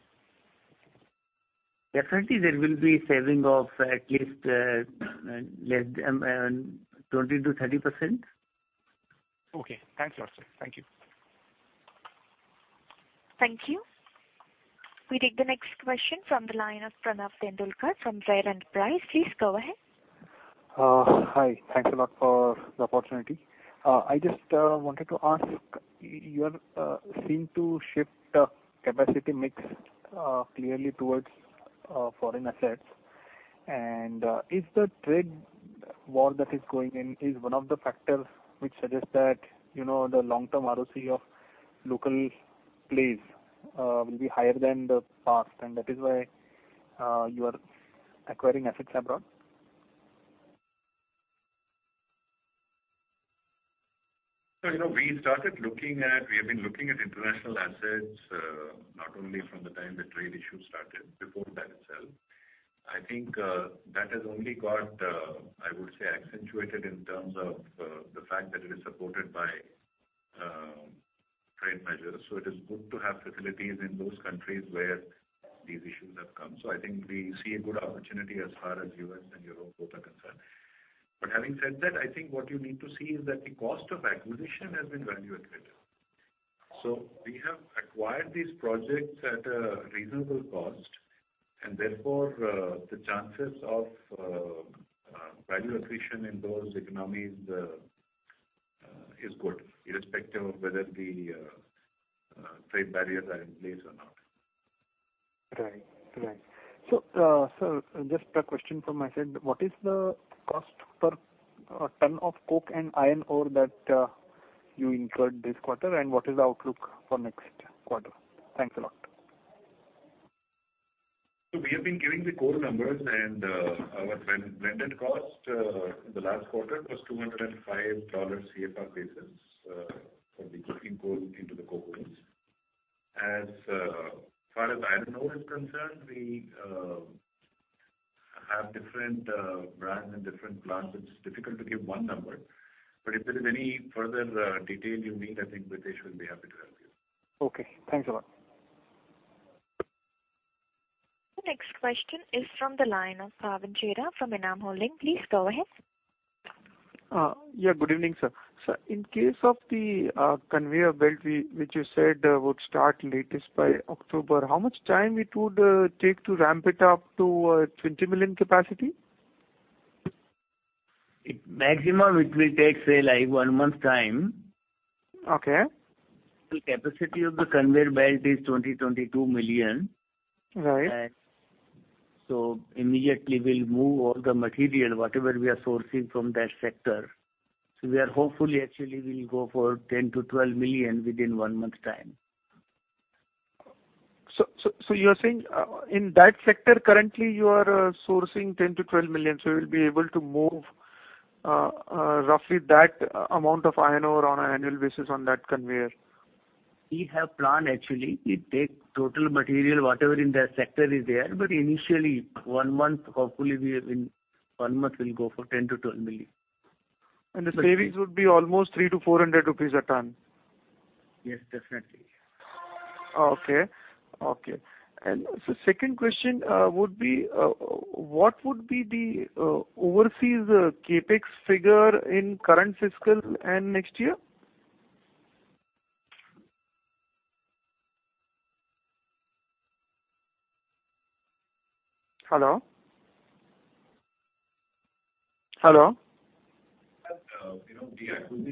Definitely, there will be saving of at least 20%-30%. Okay. Thanks, sir. Thank you. Thank you. We take the next question from the line of Pranav Tendulkar from Rare Enterprises. Please go ahead. Hi. Thanks a lot for the opportunity. I just wanted to ask, you have seemed to shift the capacity mix clearly towards foreign assets. Is the trade war that is going on one of the factors which suggests that the long-term ROCE of local plays will be higher than the past? That is why you are acquiring assets abroad? We started looking at, we have been looking at international assets, not only from the time the trade issue started, before that itself. I think that has only got, I would say, accentuated in terms of the fact that it is supported by trade measures. It is good to have facilities in those countries where these issues have come. I think we see a good opportunity as far as the U.S. and Europe both are concerned. Having said that, I think what you need to see is that the cost of acquisition has been value accretive. We have acquired these projects at a reasonable cost, and therefore, the chances of value accretion in those economies is good, irrespective of whether the trade barriers are in place or not. Right. Right. Just a question from my side. What is the cost per ton of coke and iron ore that you incurred this quarter, and what is the outlook for next quarter? Thanks a lot. We have been giving the coal numbers, and our blended cost in the last quarter was $205 CFR basis for the coking coal into the coke ovens. As far as iron ore is concerned, we have different brands and different plants, which is difficult to give one number. If there is any further detail you need, I think Pritesh will be happy to help you. Okay. Thanks a lot. The next question is from the line of Bhavin Chheda from Enam Holding. Please go ahead. Yeah. Good evening, sir. Sir, in case of the conveyor belt which you said would start latest by October, how much time it would take to ramp it up to 20 million capacity? Maximum, it will take say like one month's time. Okay. Capacity of the conveyor belt is 20 million-22 million. Actually, we'll move all the material, whatever we are sourcing from that sector. We are hopefully, actually, we'll go for 10 million-12 million within one month's time. You are saying in that sector, currently, you are sourcing 10 million-12 million. You will be able to move roughly that amount of iron ore on an annual basis on that conveyor? We have planned, actually, to take total material, whatever in that sector is there. Actually, one month, hopefully, we have been one month, we'll go for 10 million-12 million. The savings would be almost 300-400 rupees a ton? Yes, definitely. Okay. Okay. Second question would be, what would be the overseas CapEx figure in current fiscal and next year? Hello? Hello? Yes. We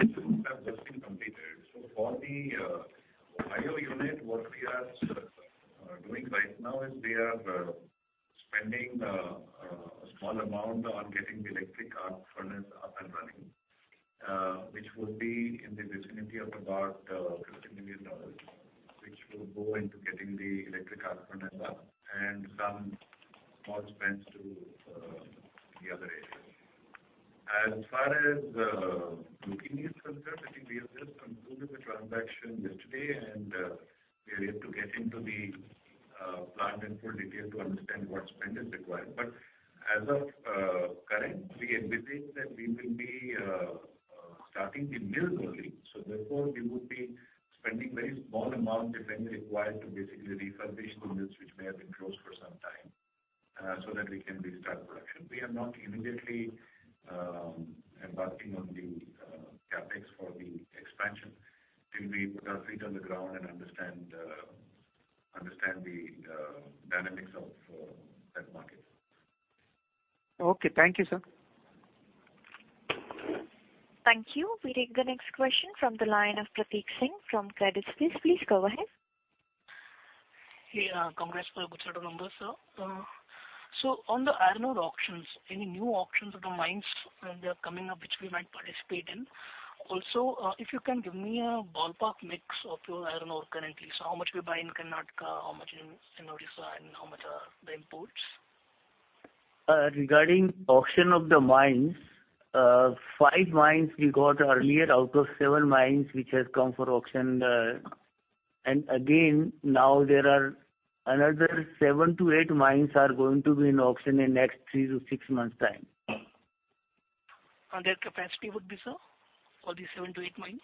have just been completed. For the Ohio unit, what we are doing right now is we are spending a small amount on getting the electric arc furnace up and running, which would be in the vicinity of about $50 million, which will go into getting the electric arc furnace up and some small spends to the other areas. As far as routine is concerned, I think we have just concluded the transaction yesterday, and we are yet to get into the plant in full detail to understand what spend is required. As of current, we anticipate that we will be starting the mills only. Therefore, we would be spending very small amounts, if any required, to basically refurbish the mills which may have been closed for some time so that we can restart production. We are not immediately embarking on the CapEx for the expansion till we put our feet on the ground and understand the dynamics of that market. Okay. Thank you, sir. Thank you. We take the next question from the line of Prateek Singh from Credit Suisse. Please go ahead. Hey, congrats for the good set of number, sir. On the iron ore auctions, any new auctions of the mines that are coming up which we might participate in? Also, if you can give me a ballpark mix of your iron ore currently. How much we buy in Karnataka, how much in Orissa, and how much are the imports? Regarding auction of the mines, five mines we got earlier out of seven mines which have come for auction. Again, now there are another seven to eight mines that are going to be in auction in the next three to six months' time. Their capacity would be, sir, for these seven to eight mines?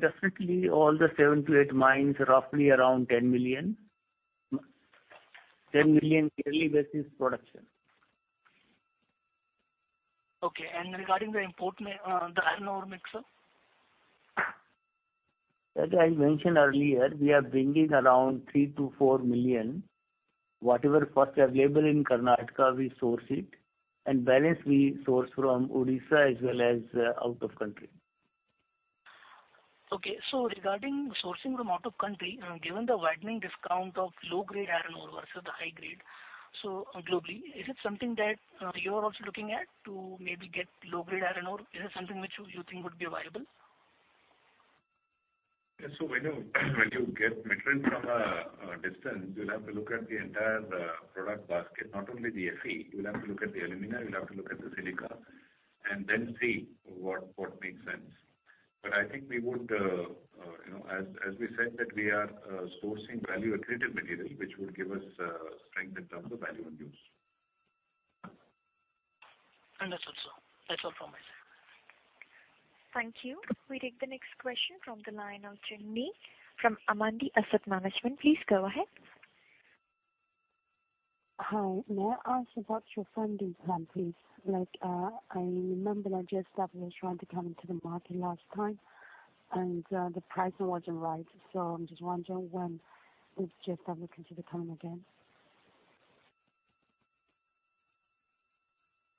Definitely, all the seven to eight mines, roughly around 10 million. 10 million yearly basis production. Okay. Regarding the import, the iron ore mix, sir? As I mentioned earlier, we are bringing around 3 million-4 million. Whatever first available in Karnataka, we source it. The balance, we source from Orissa as well as out of country. Okay. Regarding sourcing from out of country, given the widening discount of low-grade iron ore versus the high-grade globally, is it something that you are also looking at to maybe get low-grade iron ore? Is it something which you think would be viable? When you get metals from a distance, you'll have to look at the entire product basket, not only the Fe. You'll have to look at the alumina. You'll have to look at the silica, and then see what makes sense. I think we would, as we said, that we are sourcing value-accretive material, which would give us strength in terms of value and use. Understood, sir. That's all from my side. Thank you. We take the next question from the line of Jing Nie from Amundi Asset Management. Please go ahead. Hi. May I ask about your funding plan, please? I remember that JSW was trying to come into the market last time, and the pricing was not right. I am just wondering when JSW will consider coming again.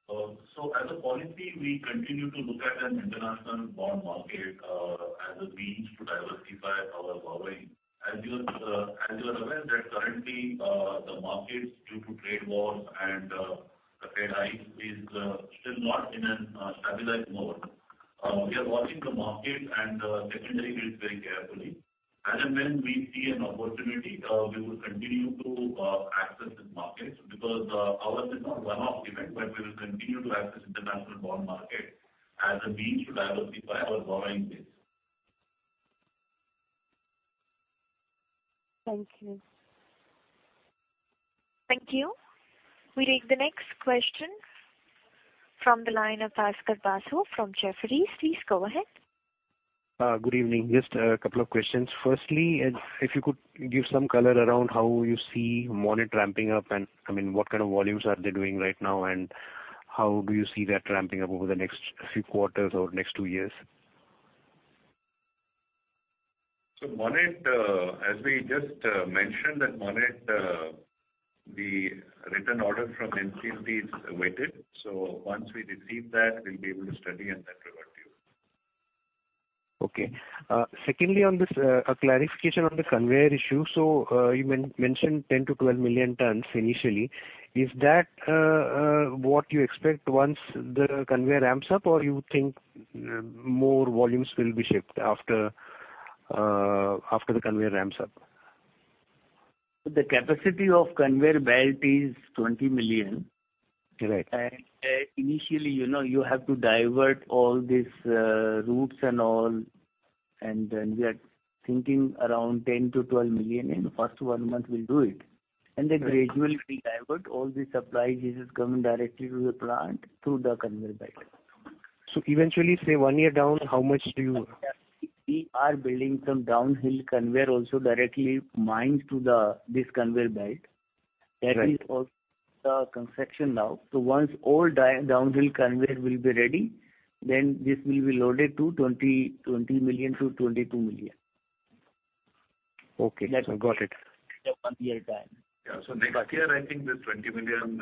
As a policy, we continue to look at an international bond market as a means to diversify our borrowing. As you are aware, that currently, the markets, due to trade wars and the Fed hikes, are still not in a stabilized mode. We are watching the markets and the secondary rates very carefully. As and when we see an opportunity, we will continue to access these markets because ours is not one-off event, but we will continue to access the international bond market as a means to diversify our borrowing base. Thank you. Thank you. We take the next question from the line of Bhaskar Basu from Jefferies. Please go ahead. Good evening. Just a couple of questions. Firstly, if you could give some color around how you see Monnet ramping up, and I mean, what kind of volumes are they doing right now, and how do you see that ramping up over the next few quarters or next two years? Monnet, as we just mentioned, that Monnet the written order from NCLT is awaited. Once we receive that, we'll be able to study and then revert to you. Okay. Secondly, a clarification on the conveyor issue. You mentioned 10 milion-12 million tons initially. Is that what you expect once the conveyor ramps up, or you think more volumes will be shipped after the conveyor ramps up? The capacity of the conveyor belt is 20 million. Initially, you have to divert all these routes and all. We are thinking around 10 million-12 million, and the first one month, we will do it. Gradually, we divert all these supplies which are coming directly to the plant through the conveyor belt. Eventually, say one year down, how much do you? We are building some downhill conveyor also directly mined to this conveyor belt. That is also the conception now. Once all downhill conveyors will be ready, this will be loaded to 20 million-22 million. Okay. Got it. In the one-year time. Yeah. Next year, I think this 20 million,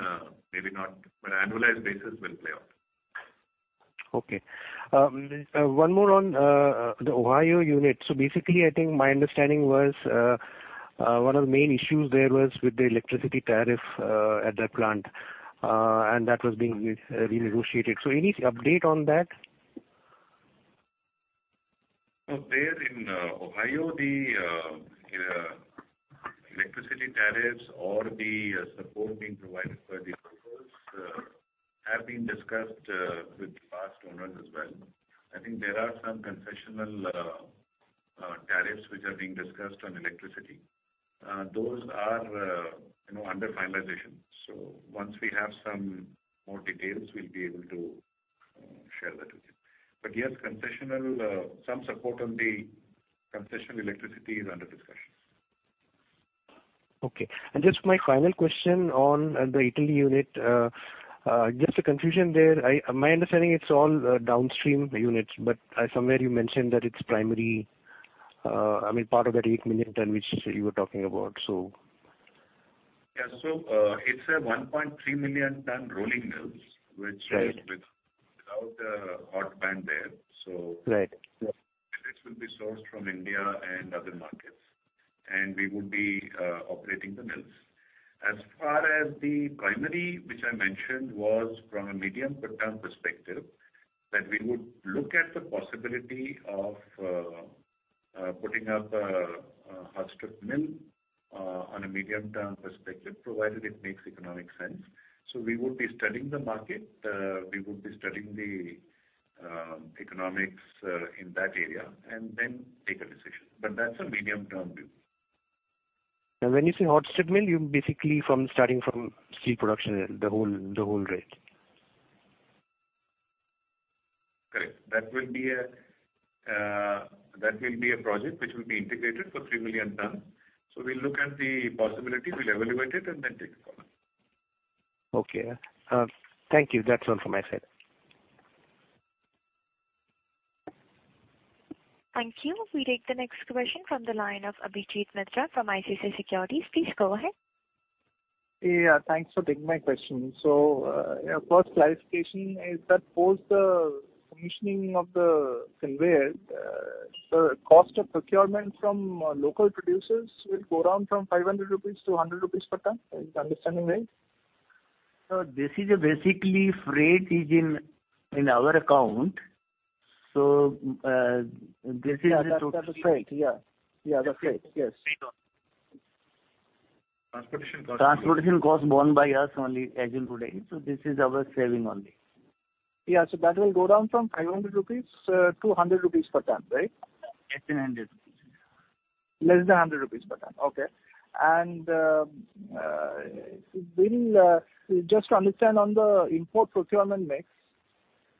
maybe not, but annualized basis will play out. Okay. One more on the Ohio unit. I think my understanding was one of the main issues there was with the electricity tariff at that plant, and that was being renegotiated. Any update on that? There in Ohio, the electricity tariffs or the support being provided for the coals have been discussed with the past owners as well. I think there are some concessional tariffs which are being discussed on electricity. Those are under finalization. Once we have some more details, we'll be able to share that with you. Yes, some support on the concessional electricity is under discussion. Okay. Just my final question on the Italy unit. Just a confusion there. My understanding, it's all downstream units, but somewhere you mentioned that it's primary, I mean, part of that 8 million ton which you were talking about, so. Yeah. It is a 1.3 million ton rolling mills, which is without the hot band there. It will be sourced from India and other markets, and we would be operating the mills. As far as the primary, which I mentioned, was from a medium-term perspective, that we would look at the possibility of putting up a hot strip mill on a medium-term perspective, provided it makes economic sense. We would be studying the market. We would be studying the economics in that area, and then take a decision. That is a medium-term view. When you say hot strip mill, you're basically starting from steel production, the whole rate? Correct. That will be a project which will be integrated for 3 million tons. We will look at the possibility, we will evaluate it, and then take a call. Okay. Thank you. That's all from my side. Thank you. We take the next question from the line of Abhijit Mitra from ICICI Securities. Please go ahead. Yeah. Thanks for taking my question. First clarification is that post-commissioning of the conveyor, the cost of procurement from local producers will go around from 500 rupees to 100 rupees per ton. Is that understanding right? This is basically freight is in our account. This is the. Yeah. That's the freight. Yeah. The freight. Yes. Transportation cost. Transportation cost borne by us only as in today. This is our saving only. Yeah. That will go down from 500 rupees to 100 rupees per ton, right? Less than 100 rupees. Less than 100 rupees per ton. Okay. Just to understand on the import procurement mix,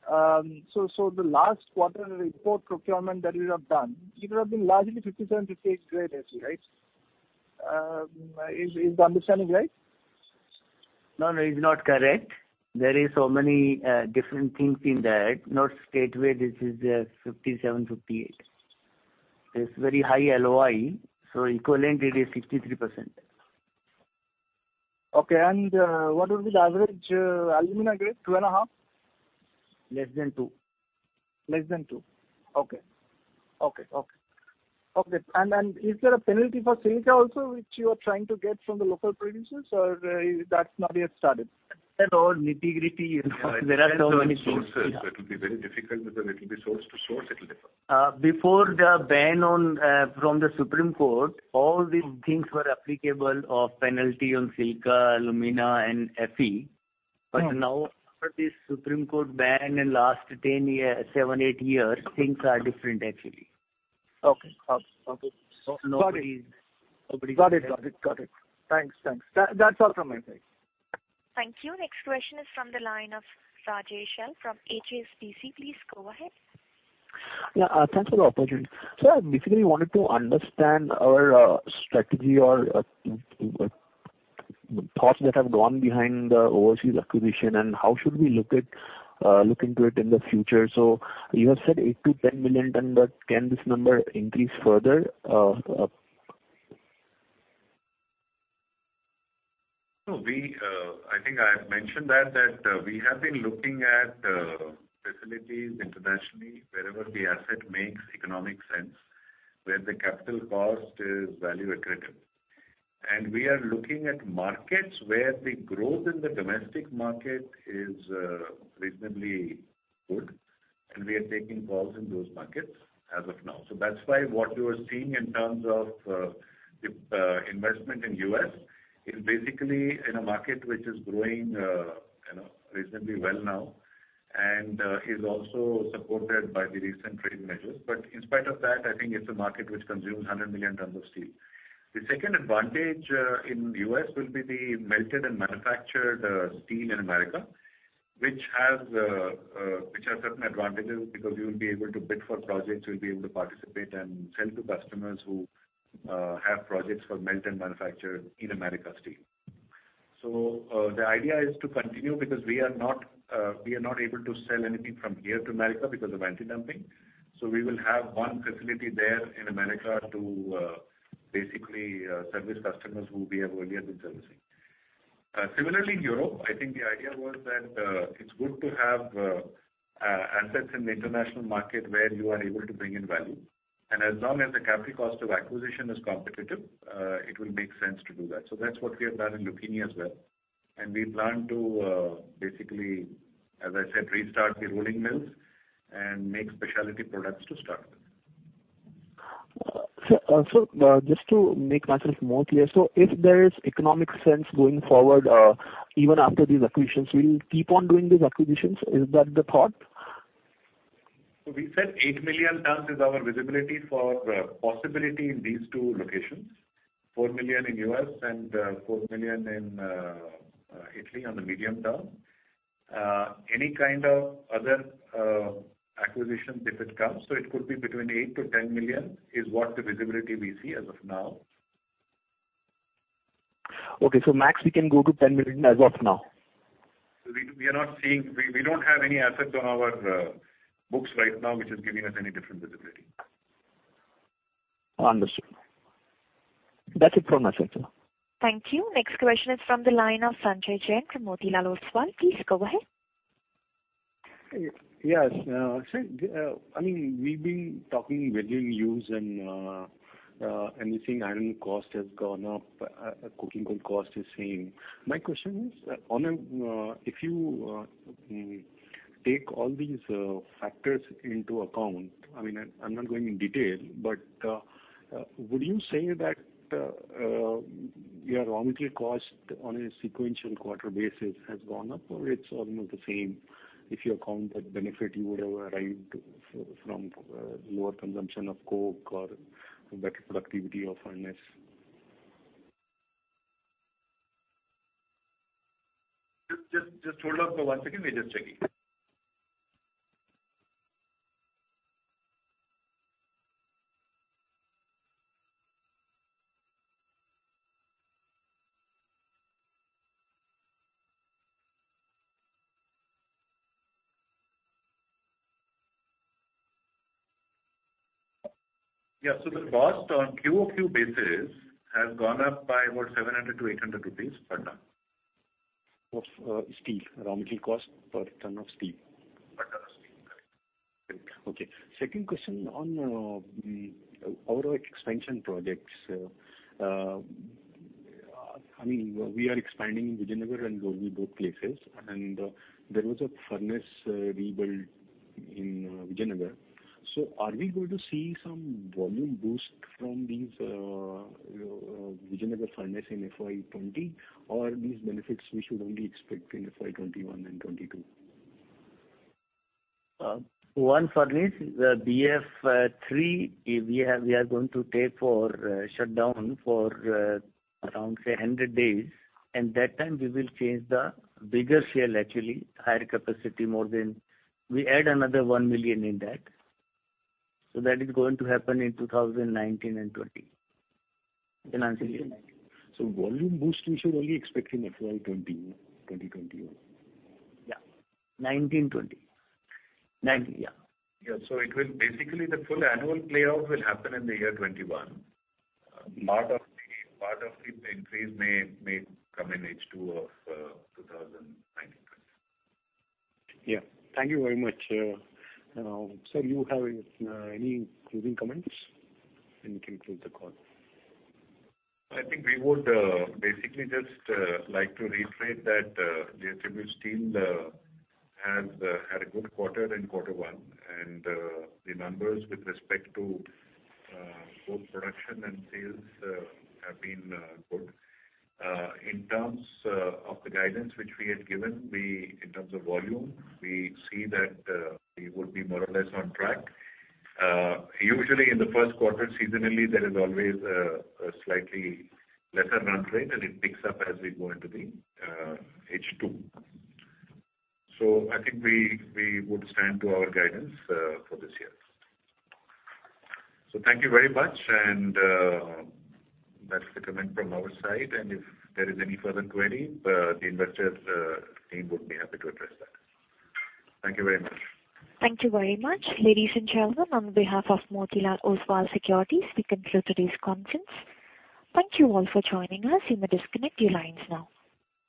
the last quarter import procurement that you have done, it would have been largely 57, 58 grade Fe, right? Is the understanding right? No, no. It's not correct. There are so many different things in that. Not straightaway, this is 57, 58. It's very high LOI. So equivalent, it is 63%. Okay. What would be the average alumina grade? 2.5? Less than two. Less than two. Okay. Okay. Okay. And is there a penalty for silica also which you are trying to get from the local producers, or that's not yet started? All nitty-gritty. There are so many things. It will be very difficult because it will be source to source. It will differ. Before the ban from the Supreme Court, all these things were applicable of penalty on silica, alumina, and Fe. Now, after this Supreme Court ban in the last seven, eight years, things are different, actually. Okay. Okay. No worries. Nobody's worried. Got it. Got it. Thanks. Thanks. That's all from my side. Thank you. Next question is from the line of Rajesh L from HSBC. Please go ahead. Yeah. Thanks for the opportunity. I basically wanted to understand our strategy or thoughts that have gone behind the overseas acquisition, and how should we look into it in the future? You have said 8 million-10 million ton, but can this number increase further? I think I mentioned that we have been looking at facilities internationally, wherever the asset makes economic sense, where the capital cost is value-accretive. We are looking at markets where the growth in the domestic market is reasonably good, and we are taking calls in those markets as of now. That is why what you are seeing in terms of investment in the U.S. is basically in a market which is growing reasonably well now and is also supported by the recent trade measures. In spite of that, I think it is a market which consumes 100 million tons of steel. The second advantage in the U.S. will be the melted and manufactured steel in America, which has certain advantages because you will be able to bid for projects, you will be able to participate, and sell to customers who have projects for melt and manufactured in America steel. The idea is to continue because we are not able to sell anything from here to America because of anti-dumping. We will have one facility there in America to basically service customers who we have earlier been servicing. Similarly, in Europe, I think the idea was that it is good to have assets in the international market where you are able to bring in value. As long as the capture cost of acquisition is competitive, it will make sense to do that. That is what we have done in Lucchini as well. We plan to basically, as I said, restart the rolling mills and make specialty products to start with. Just to make myself more clear, if there is economic sense going forward, even after these acquisitions, we'll keep on doing these acquisitions. Is that the thought? We said 8 million tons is our visibility for possibility in these two locations, 4 million in the U.S. and 4 million in Italy on the medium term. Any kind of other acquisitions, if it comes, it could be between 8 million-10 million is what the visibility we see as of now. Okay. Max we can go to 10 million as of now. We are not seeing we don't have any assets on our books right now which is giving us any different visibility. Understood. That's it from my side, sir. Thank you. Next question is from the line of Sanjay Jain from Motilal Oswal. Please go ahead. Yes. I mean, we've been talking with you in use and anything iron cost has gone up, coking coal cost is same. My question is, if you take all these factors into account, I mean, I'm not going in detail, but would you say that your raw material cost on a sequential quarter basis has gone up, or it's almost the same if you account that benefit you would have arrived from lower consumption of coke or better productivity of furnace? Just hold on for one second. We're just checking. Yeah. The cost on quarter-over-quarter basis has gone up by about 700-800 rupees per ton. Of steel, raw material cost per ton of steel? Per ton of steel. Correct. Great. Okay. Second question on our expansion projects. I mean, we are expanding in Vijayanagar and Dolvi both places, and there was a furnace rebuild in Vijayanagar. Are we going to see some volume boost from these Vijayanagar furnace in FY 2020, or these benefits we should only expect in FY 2021 and 2022? One furnace, the BF-3, we are going to take for shutdown for around, say, 100 days. At that time, we will change the bigger shell, actually, higher capacity, more than we add another 1 million in that. That is going to happen in 2019 and 2020 financial year. Volume boost we should only expect in FY 2020-FY 2021? Yeah. FY 2019-FY 2020. Yeah. Yeah. It will basically, the full annual playout will happen in the year 2021. Part of the increase may come in H2 of 2019-2020. Yeah. Thank you very much. Sir, do you have any closing comments? We can close the call. I think we would basically just like to reiterate that JSW Steel has had a good quarter in quarter one. The numbers with respect to both production and sales have been good. In terms of the guidance which we had given, in terms of volume, we see that we would be more or less on track. Usually, in the first quarter, seasonally, there is always a slightly lesser run rate, and it picks up as we go into the H2. I think we would stand to our guidance for this year. Thank you very much. That is the comment from our side. If there is any further query, the investor team would be happy to address that. Thank you very much. Thank you very much, ladies and gentlemen. On behalf of Motilal Oswal Securities, we conclude today's conference. Thank you all for joining us. You may disconnect your lines now.